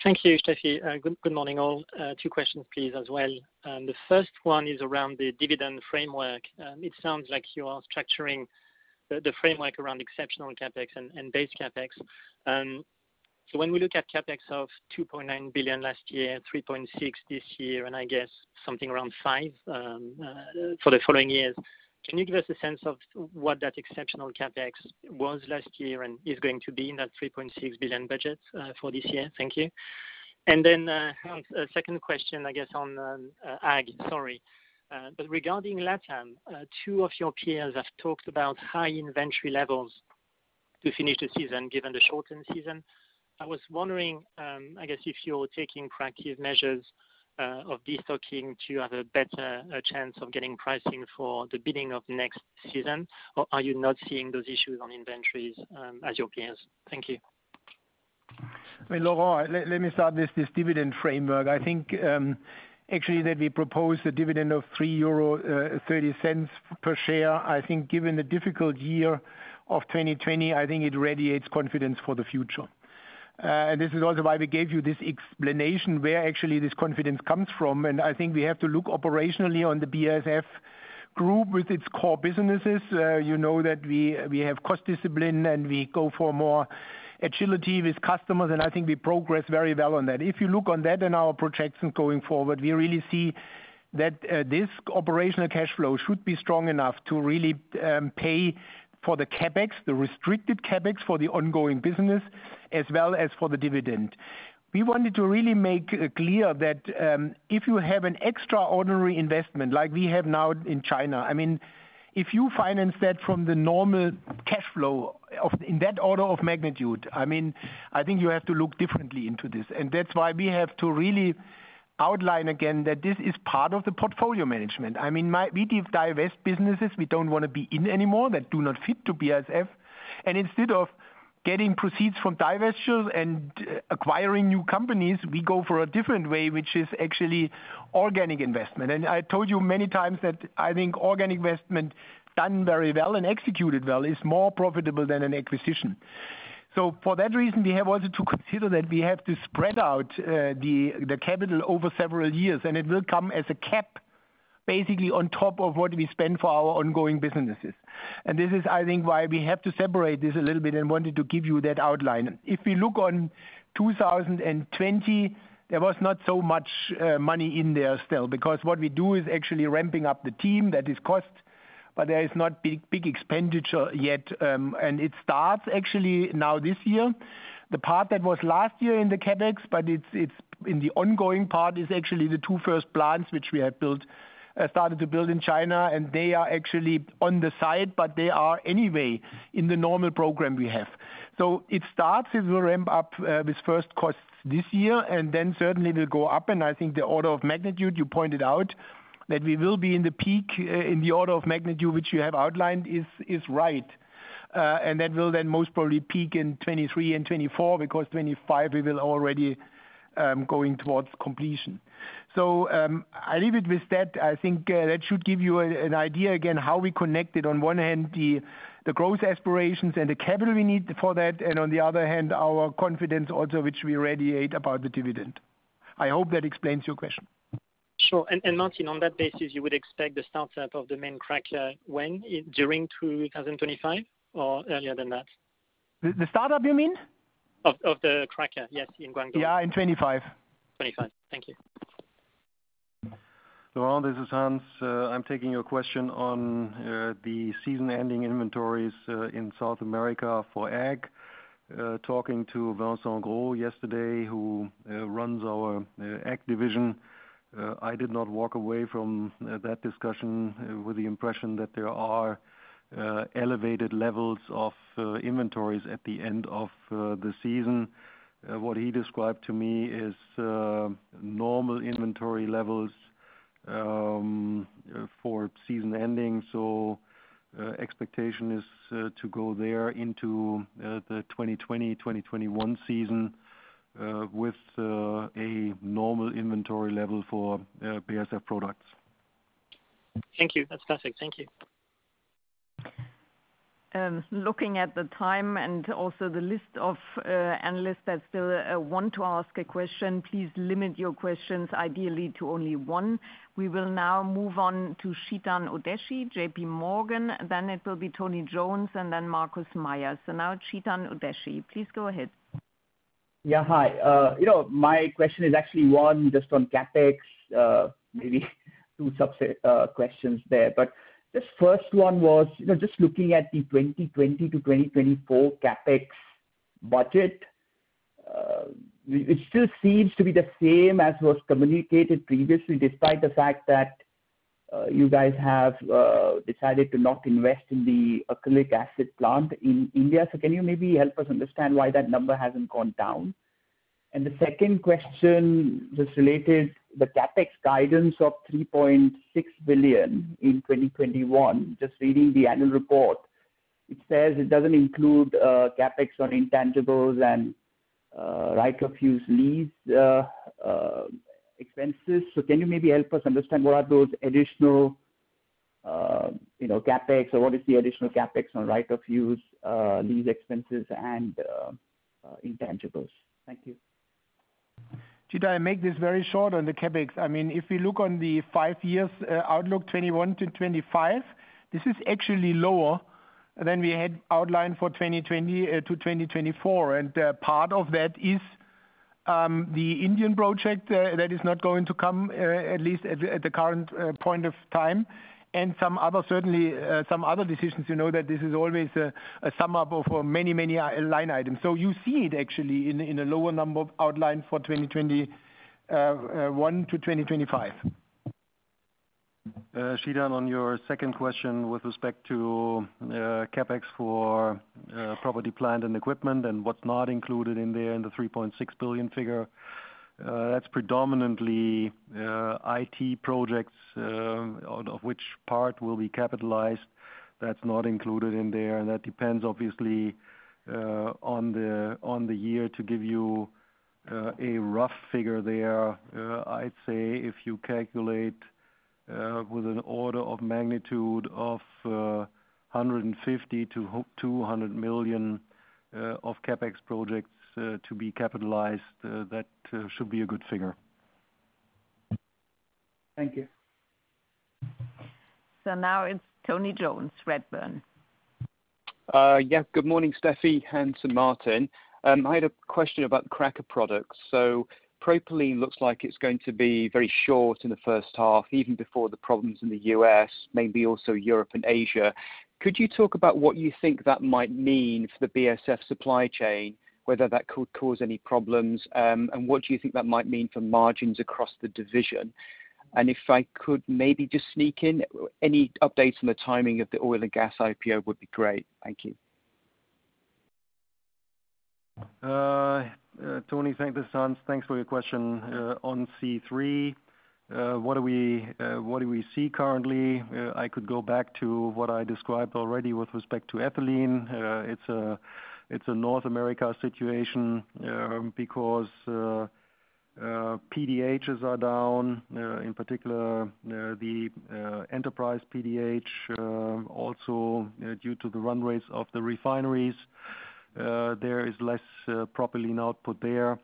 Thank you, Stefanie. Good morning, all. Two questions please as well. The first one is around the dividend framework. It sounds like you are structuring the framework around exceptional CapEx and base CapEx. When we look at CapEx of 2.9 billion last year, 3.6 this year, and I guess something around 5 for the following years, can you give us a sense of what that exceptional CapEx was last year and is going to be in that 3.6 billion budget for this year? Thank you. Then, Hans, a second question I guess on Ag, sorry. Regarding LatAm, two of your peers have talked about high inventory levels to finish the season, given the shortened season. I was wondering, I guess if you're taking proactive measures of destocking to have a better chance of getting pricing for the beginning of next season, or are you not seeing those issues on inventories as your peers? Thank you. Laurent, let me start with this dividend framework. I think, actually that we propose a dividend of 3.30 euro per share. I think given the difficult year of 2020, I think it radiates confidence for the future. This is also why we gave you this explanation where actually this confidence comes from. I think we have to look operationally on the BASF Group with its core businesses. You know that we have cost discipline, and we go for more agility with customers, and I think we progress very well on that. If you look on that and our projections going forward, we really see that this operational cash flow should be strong enough to really pay for the CapEx, the restricted CapEx for the ongoing business as well as for the dividend. We wanted to really make clear that if you have an extraordinary investment like we have now in China, if you finance that from the normal cash flow in that order of magnitude, I think you have to look differently into this. That's why we have to really outline again that this is part of the portfolio management. We divest businesses we don't want to be in anymore, that do not fit to BASF. Instead of getting proceeds from divestitures and acquiring new companies, we go for a different way, which is actually organic investment. I told you many times that I think organic investment done very well and executed well is more profitable than an acquisition. For that reason, we have also to consider that we have to spread out the capital over several years, and it will come as a cap, basically on top of what we spend for our ongoing businesses. This is, I think, why we have to separate this a little bit and wanted to give you that outline. If we look on 2020, there was not so much money in there still, because what we do is actually ramping up the team that is cost, but there is no big expenditure yet. It starts actually now this year. The part that was last year in the CapEx, but it's in the ongoing part, is actually the two first plants, which we have started to build in China, and they are actually on the side, but they are anyway in the normal program we have. It starts, it will ramp up with first costs this year. Then certainly will go up. I think the order of magnitude, you pointed out, that we will be in the peak in the order of magnitude which you have outlined is right. That will then most probably peak in 2023 and 2024 because 2025 we will already be going towards completion. I leave it with that. I think that should give you an idea again, how we connected on one hand the growth aspirations and the capital we need for that, and on the other hand, our confidence also, which we radiate about the dividend. I hope that explains your question. Sure. Martin, on that basis, you would expect the startup of the main cracker when? During 2025 or earlier than that? The startup, you mean? Of the cracker. Yes, in Guangdong. Yeah, in 2025. 2025. Thank you. Laurent, this is Hans. I am taking your question on the season-ending inventories in South America for Ag. Talking to Vincent Gros yesterday, who runs our Ag division, I did not walk away from that discussion with the impression that there are elevated levels of inventories at the end of the season. What he described to me is normal inventory levels for season ending. Expectation is to go there into the 2020-2021 season, with a normal inventory level for BASF products. Thank you. That's perfect. Thank you. Looking at the time and also the list of analysts that still want to ask a question, please limit your questions ideally to only one. We will now move on to Chetan Udeshi, JPMorgan, then it will be Tony Jones, and then Markus Mayer. Now Chetan Udeshi, please go ahead. Yeah. Hi. My question is actually one just on CapEx, maybe two subset questions there. The first one was, just looking at the 2020 to 2024 CapEx budget, it still seems to be the same as was communicated previously, despite the fact that you guys have decided to not invest in the acrylic acid plant in India. Can you maybe help us understand why that number hasn't gone down? The second question just related the CapEx guidance of 3.6 billion in 2021. Just reading the annual report, it says it doesn't include CapEx on intangibles and right of use lease expenses. Can you maybe help us understand what are those additional CapEx, or what is the additional CapEx on right of use, lease expenses and intangibles? Thank you. Chetan, I make this very short on the CapEx. If we look on the five years outlook 2021-2025, this is actually lower than we had outlined for 2020-2024. Part of that is the Indian project that is not going to come, at least at the current point of time. Certainly some other decisions, that this is always a sum up of many, many line items. You see it actually in a lower number outlined for 2021-2025. Chetan, on your second question with respect to CapEx for property, plant, and equipment and what's not included in there in the 3.6 billion figure, that's predominantly IT projects, of which part will be capitalized. That's not included in there. That depends, obviously, on the year. To give you a rough figure there, I'd say if you calculate with an order of magnitude of 150 million-200 million of CapEx projects to be capitalized, that should be a good figure. Thank you. Now it's Tony Jones, Redburn. Good morning, Stefanie, Hans, and Martin. I had a question about cracker products. Propylene looks like it's going to be very short in the first half, even before the problems in the U.S., maybe also Europe and Asia. Could you talk about what you think that might mean for the BASF supply chain, whether that could cause any problems? What do you think that might mean for margins across the division? If I could maybe just sneak in, any updates on the timing of the oil and gas IPO would be great. Thank you. Tony. Thanks, this is Hans. Thanks for your question on C3. What do we see currently? I could go back to what I described already with respect to ethylene. It's a North America situation because PDHs are down, in particular the Enterprise PDH. Also, due to the run rates of the refineries, there is less propylene output there.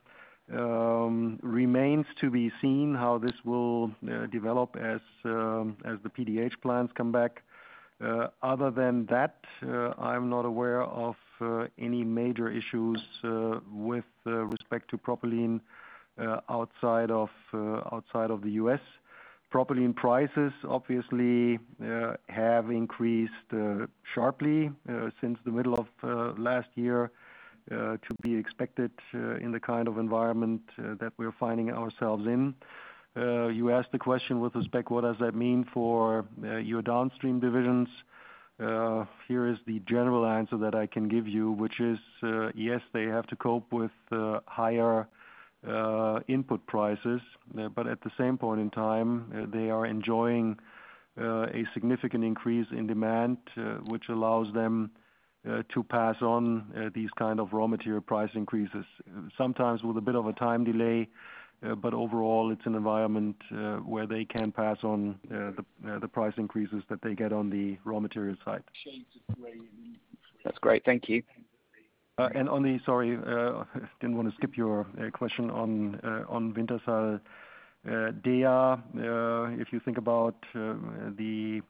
Remains to be seen how this will develop as the PDH plants come back. Other than that, I'm not aware of any major issues with respect to propylene outside of the U.S. Propylene prices obviously have increased sharply since the middle of last year, to be expected in the kind of environment that we're finding ourselves in. You asked the question with respect, what does that mean for your downstream divisions? Here is the general answer that I can give you, which is, yes, they have to cope with higher input prices. At the same point in time, they are enjoying a significant increase in demand, which allows them to pass on these kind of raw material price increases. Sometimes with a bit of a time delay. Overall, it's an environment where they can pass on the price increases that they get on the raw material side. That's great. Thank you. Sorry, didn't want to skip your question on Wintershall Dea, if you think about the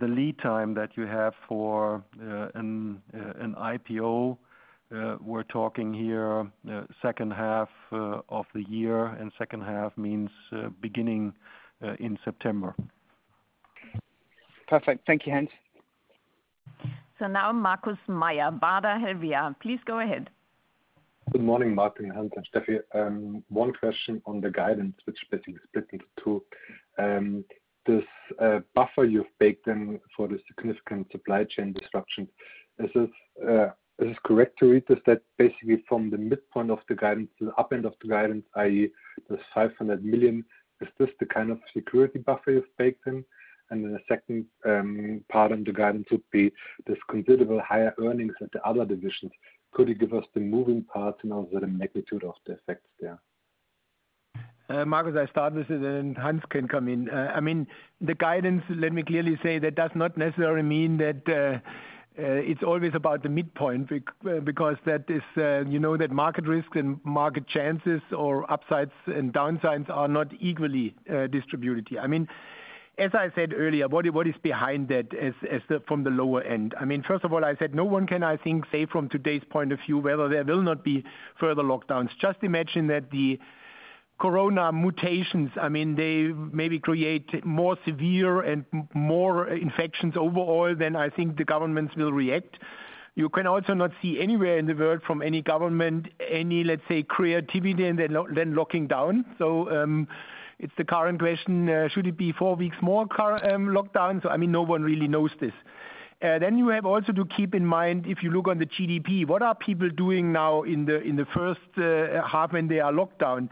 lead time that you have for an IPO, we're talking here second half of the year, second half means beginning in September. Perfect. Thank you, Hans. Now Markus Mayer, Baader Helvea, please go ahead. Good morning, Martin, Hans, and Stefanie. One question on the guidance, which basically split into two. This buffer you've baked in for the significant supply chain disruptions, is this correct to read this, that basically from the midpoint of the guidance to the upper end of the guidance, i.e. the 500 million, is this the kind of security buffer you've baked in? The second part of the guidance would be this considerable higher earnings at the other divisions. Could you give us the moving parts and also the magnitude of the effects there? Markus, I start this, and then Hans can come in. The guidance, let me clearly say, that does not necessarily mean that it's always about the midpoint because that market risk and market chances or upsides and downsides are not equally distributed. As I said earlier, what is behind that from the lower end? First of all, I said, no one can, I think, say from today's point of view whether there will not be further lockdowns. Just imagine that the corona mutations, they maybe create more severe and more infections overall, then I think the governments will react. You can also not see anywhere in the world from any government any, let's say, creativity than locking down. It's the current question, should it be four weeks more current lockdown? No one really knows this. You have also to keep in mind, if you look on the GDP, what are people doing now in the first half when they are locked down?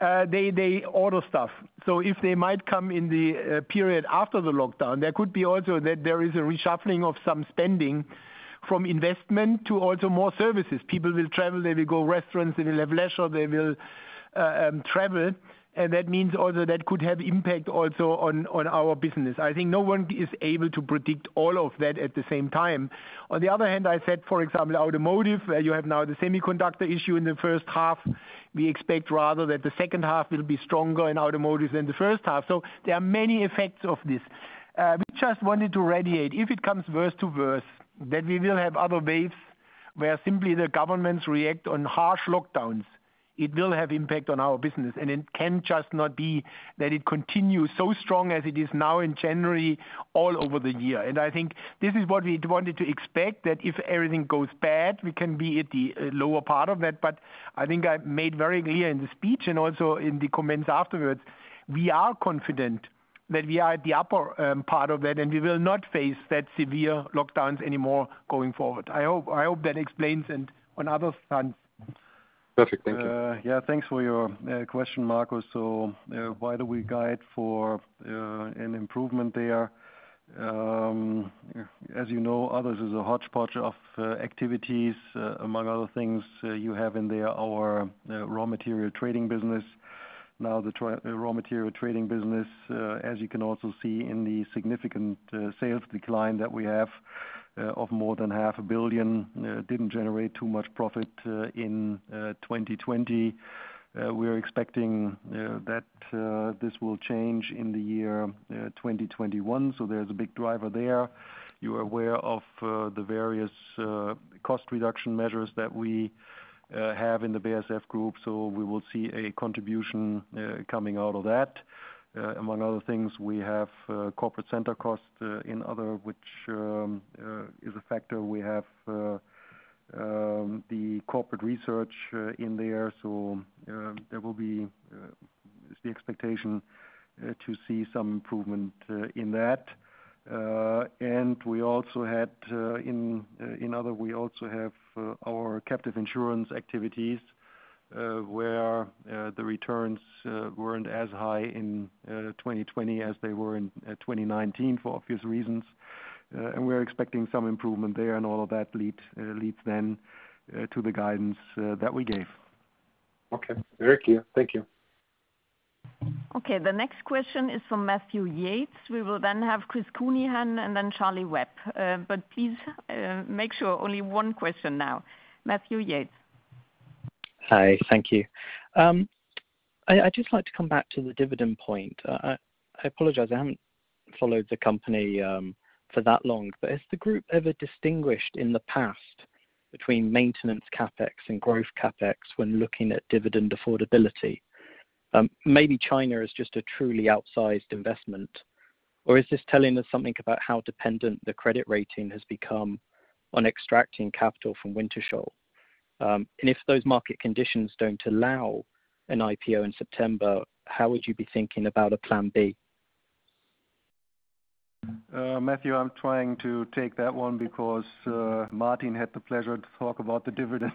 They order stuff. If they might come in the period after the lockdown, there could be also that there is a reshuffling of some spending from investment to also more services. People will travel, they will go restaurants, they will have leisure, they will travel. That means also that could have impact also on our business. I think no one is able to predict all of that at the same time. On the other hand, I said, for example, automotive, you have now the semiconductor issue in the first half. We expect rather that the second half will be stronger in automotive than the first half. There are many effects of this. We just wanted to radiate, if it comes worse to worse, that we will have other waves where simply the governments react on harsh lockdowns. It will have impact on our business, and it can just not be that it continues so strong as it is now in January all over the year. I think this is what we wanted to expect, that if everything goes bad, we can be at the lower part of that. I think I made very clear in the speech and also in the comments afterwards, we are confident that we are at the upper part of that, and we will not face that severe lockdowns anymore going forward. I hope that explains and on other fronts. Perfect. Thank you. Yeah. Thanks for your question, Markus. Why do we guide for an improvement there? As you know, others is a hodgepodge of activities. Among other things, you have in there our raw material trading business. Now the raw material trading business, as you can also see in the significant sales decline that we have of more than half a billion, didn't generate too much profit in 2020. We're expecting that this will change in the year 2021. There's a big driver there. You are aware of the various cost reduction measures that we have in the BASF Group, we will see a contribution coming out of that. Among other things, we have corporate center cost in other, which is a factor we have the corporate research in there. There will be the expectation to see some improvement in that. We also have our captive insurance activities, where the returns weren't as high in 2020 as they were in 2019 for obvious reasons. We're expecting some improvement there and all of that leads then to the guidance that we gave. Okay. Very clear. Thank you. Okay. The next question is from Matthew Yates. We will then have Chris Counihan and then Charlie Webb. Please make sure only one question now. Matthew Yates. Hi. Thank you. I'd just like to come back to the dividend point. I apologize, I haven't followed the company for that long, has the group ever distinguished in the past between maintenance CapEx and growth CapEx when looking at dividend affordability? Maybe China is just a truly outsized investment. Is this telling us something about how dependent the credit rating has become on extracting capital from Wintershall? If those market conditions don't allow an IPO in September, how would you be thinking about a plan B? Matthew, I'm trying to take that one because Martin had the pleasure to talk about the dividend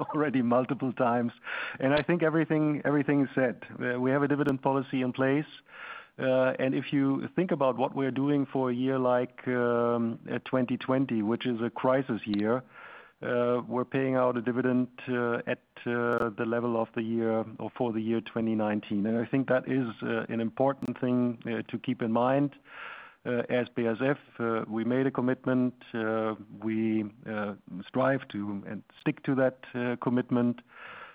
already multiple times. I think everything is said. We have a dividend policy in place. If you think about what we're doing for a year like 2020, which is a crisis year, we're paying out a dividend at the level of the year or for the year 2019. I think that is an important thing to keep in mind. As BASF, we made a commitment. We strive to and stick to that commitment,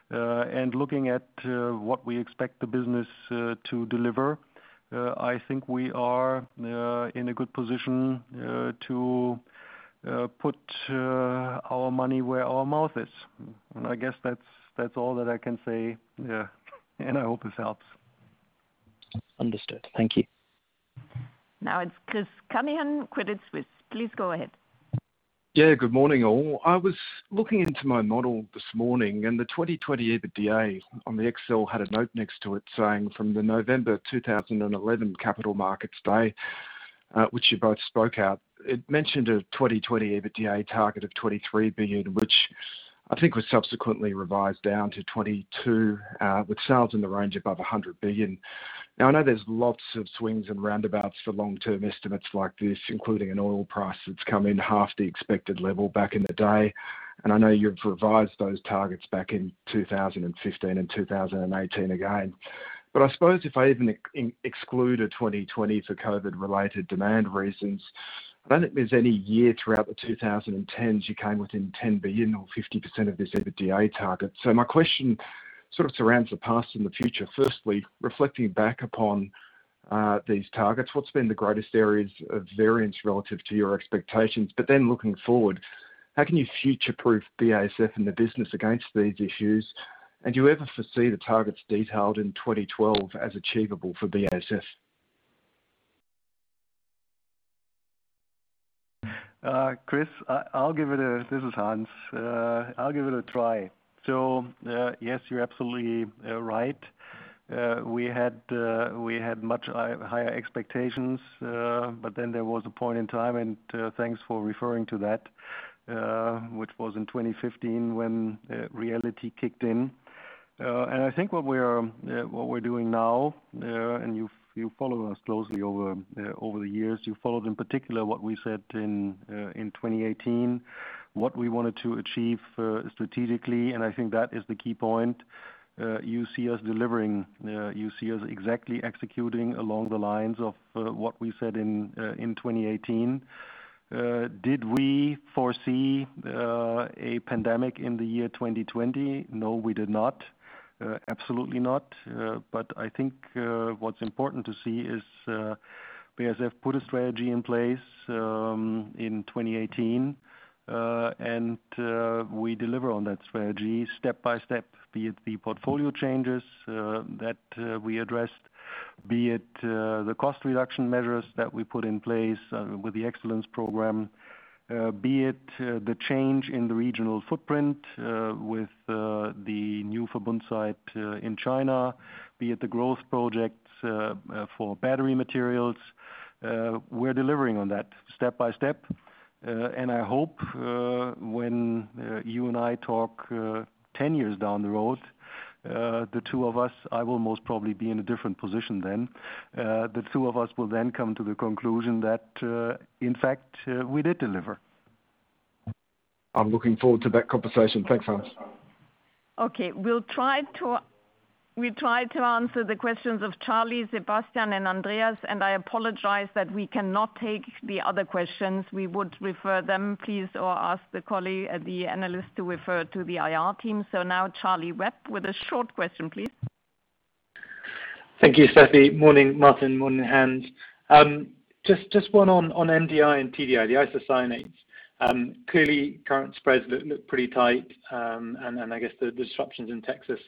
looking at what we expect the business to deliver, I think we are in a good position to put our money where our mouth is. I guess that's all that I can say. Yeah. I hope this helps. Understood. Thank you. Now it's Chris Counihan, Credit Suisse. Please go ahead. Yeah. Good morning, all. I was looking into my model this morning, and the 2020 EBITDA on the Excel had a note next to it saying from the November 2011 Capital Markets Day, which you both spoke at, it mentioned a 2020 EBITDA target of 23 billion, which I think was subsequently revised down to 22 billion with sales in the range above 100 billion. I know there's lots of swings and roundabouts for long-term estimates like this, including an oil price that's come in half the expected level back in the day, and I know you've revised those targets back in 2015 and 2018 again. I suppose if I even excluded 2020 for COVID-related demand reasons, I don't think there's any year throughout the 2010s you came within 10 billion or 50% of this EBITDA target. My question sort of surrounds the past and the future. Reflecting back upon these targets, what's been the greatest areas of variance relative to your expectations? Looking forward, how can you future-proof BASF and the business against these issues? Do you ever foresee the targets detailed in 2012 as achievable for BASF? Chris, this is Hans. I'll give it a try. Yes, you're absolutely right. We had much higher expectations, but then there was a point in time, and thanks for referring to that, which was in 2015 when reality kicked in. I think what we're doing now, and you follow us closely over the years. You followed in particular what we said in 2018, what we wanted to achieve strategically, and I think that is the key point. You see us delivering. You see us exactly executing along the lines of what we said in 2018. Did we foresee a pandemic in the year 2020? No, we did not. Absolutely not. I think what's important to see is, BASF put a strategy in place in 2018. We deliver on that strategy step by step, be it the portfolio changes that we addressed, be it the cost reduction measures that we put in place with the excellence program, be it the change in the regional footprint with the new Verbund site in China, be it the growth projects for battery materials. We're delivering on that step by step. I hope when you and I talk 10 years down the road, the two of us, I will most probably be in a different position then. The two of us will then come to the conclusion that, in fact, we did deliver. I'm looking forward to that conversation. Thanks, Hans. Okay. We'll try to answer the questions of Charlie, Sebastian, and Andreas. I apologize that we cannot take the other questions. We would refer them, please, or ask the colleague or the analyst to refer to the IR team. Now Charlie Webb with a short question, please. Thank you, Stefanie. Morning, Martin. Morning, Hans. Just one on MDI and TDI, the isocyanates. Clearly current spreads look pretty tight. I guess the disruptions in Texas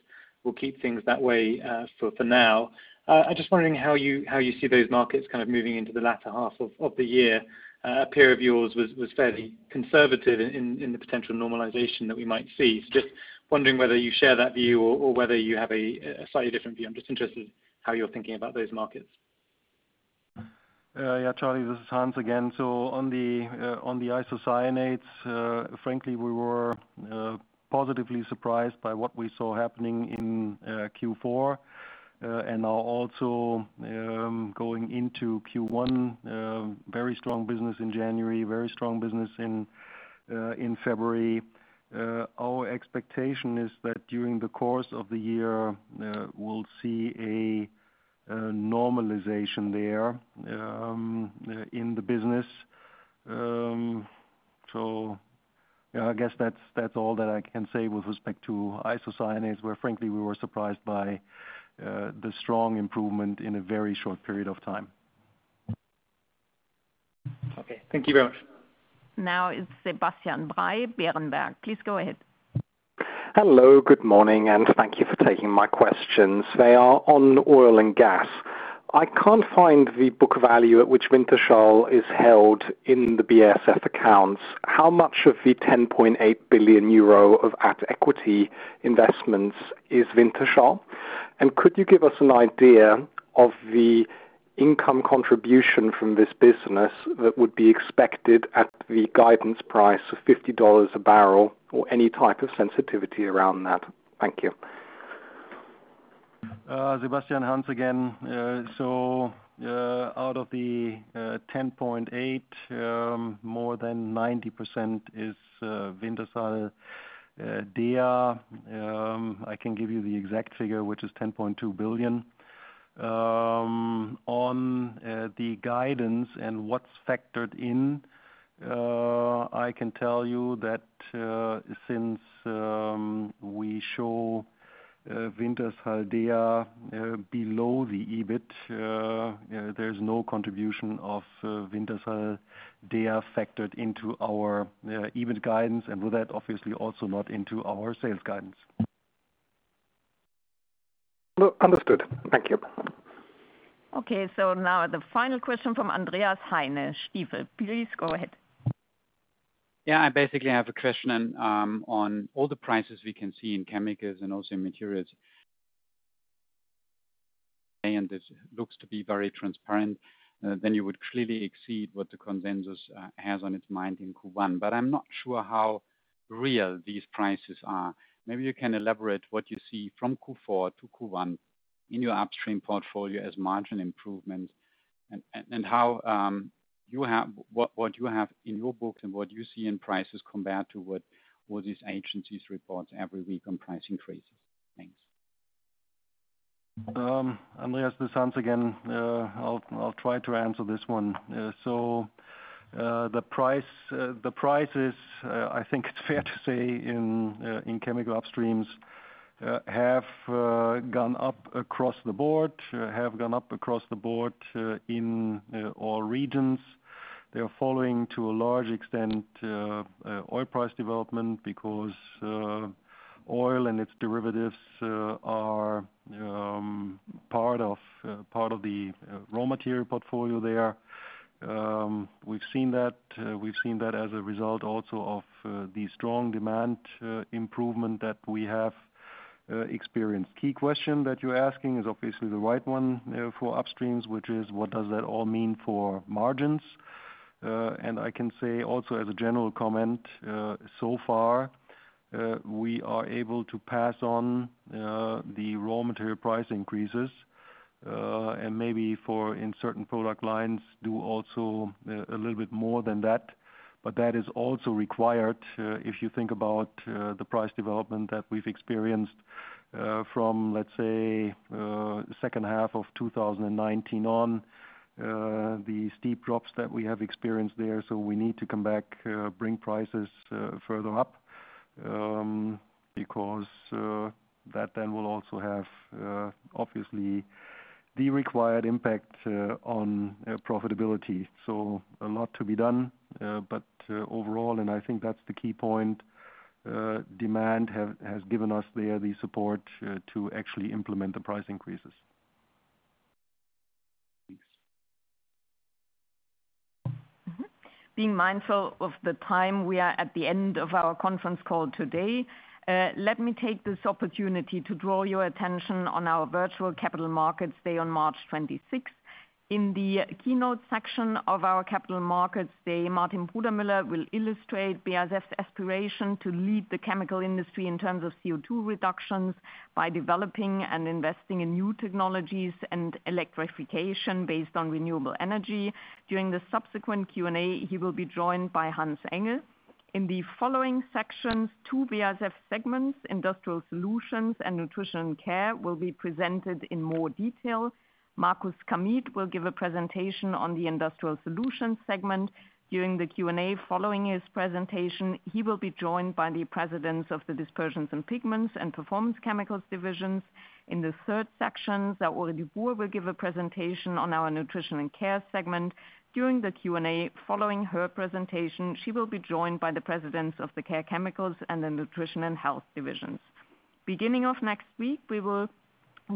will keep things that way for now. I'm just wondering how you see those markets kind of moving into the latter half of the year. A peer of yours was fairly conservative in the potential normalization that we might see. Just wondering whether you share that view or whether you have a slightly different view. I'm just interested how you're thinking about those markets. Yeah, Charlie, this is Hans again. On the isocyanates, frankly, we were positively surprised by what we saw happening in Q4 and are also going into Q1, very strong business in January, very strong business in February. Our expectation is that during the course of the year, we'll see a normalization there in the business. I guess that's all that I can say with respect to isocyanates, where frankly, we were surprised by the strong improvement in a very short period of time. Okay. Thank you very much. Now it's Sebastian Bray, Berenberg. Please go ahead. Hello. Good morning. Thank you for taking my questions. They are on oil and gas. I can't find the book value at which Wintershall is held in the BASF accounts. How much of the 10.8 billion euro of at-equity investments is Wintershall? Could you give us an idea of the income contribution from this business that would be expected at the guidance price of $50 a barrel or any type of sensitivity around that? Thank you. Sebastian, Hans again. Out of the 10.8, more than 90% is Wintershall Dea, I can give you the exact figure, which is 10.2 billion. On the guidance and what's factored in, I can tell you that since we show Wintershall Dea below the EBIT, there's no contribution of Wintershall Dea factored into our EBIT guidance, and with that, obviously also not into our sales guidance. Understood. Thank you. Okay, now the final question from Andreas Heine, please go ahead. Yeah, I basically have a question on all the prices we can see in chemicals and also materials. This looks to be very transparent, then you would clearly exceed what the consensus has on its mind in Q1. I'm not sure how real these prices are. Maybe you can elaborate what you see from Q4 to Q1 in your upstream portfolio as margin improvement, and what you have in your books and what you see in prices compared to what these agencies report every week on price increases. Thanks. Andreas, this Hans again, I'll try to answer this one. The prices, I think it's fair to say in chemical upstreams have gone up across the board in all regions. They are following to a large extent oil price development because oil and its derivatives are part of the raw material portfolio there. We've seen that as a result also of the strong demand improvement that we have experienced. Key question that you're asking is obviously the right one for upstreams, which is what does that all mean for margins? I can say also as a general comment, so far we are able to pass on the raw material price increases, and maybe in certain product lines, do also a little bit more than that. That is also required, if you think about the price development that we've experienced from, let's say, second half of 2019 on, the steep drops that we have experienced there. We need to come back, bring prices further up, because that then will also have obviously the required impact on profitability. A lot to be done, but overall, and I think that's the key point, demand has given us there the support to actually implement the price increases. Thanks. Being mindful of the time, we are at the end of our conference call today. Let me take this opportunity to draw your attention on our virtual Capital Markets Day on March 26th. In the keynote section of our Capital Markets Day, Martin Brudermüller will illustrate BASF's aspiration to lead the chemical industry in terms of CO2 reductions by developing and investing in new technologies and electrification based on renewable energy. During the subsequent Q&A, he will be joined by Hans Engel. In the following sections, two BASF segments, Industrial Solutions and Nutrition & Care, will be presented in more detail. Markus Kamieth will give a presentation on the Industrial Solutions segment. During the Q&A following his presentation, he will be joined by the presidents of the Dispersions and Pigments and Performance Chemicals divisions. In the third section, Saori Dubourg will give a presentation on our Nutrition and Care segment. During the Q&A following her presentation, she will be joined by the presidents of the Care Chemicals and the Nutrition and Health divisions. Beginning of next week,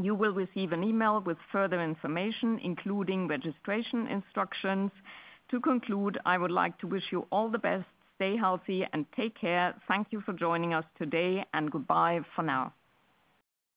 you will receive an email with further information, including registration instructions. To conclude, I would like to wish you all the best, stay healthy and take care. Thank you for joining us today, and goodbye for now.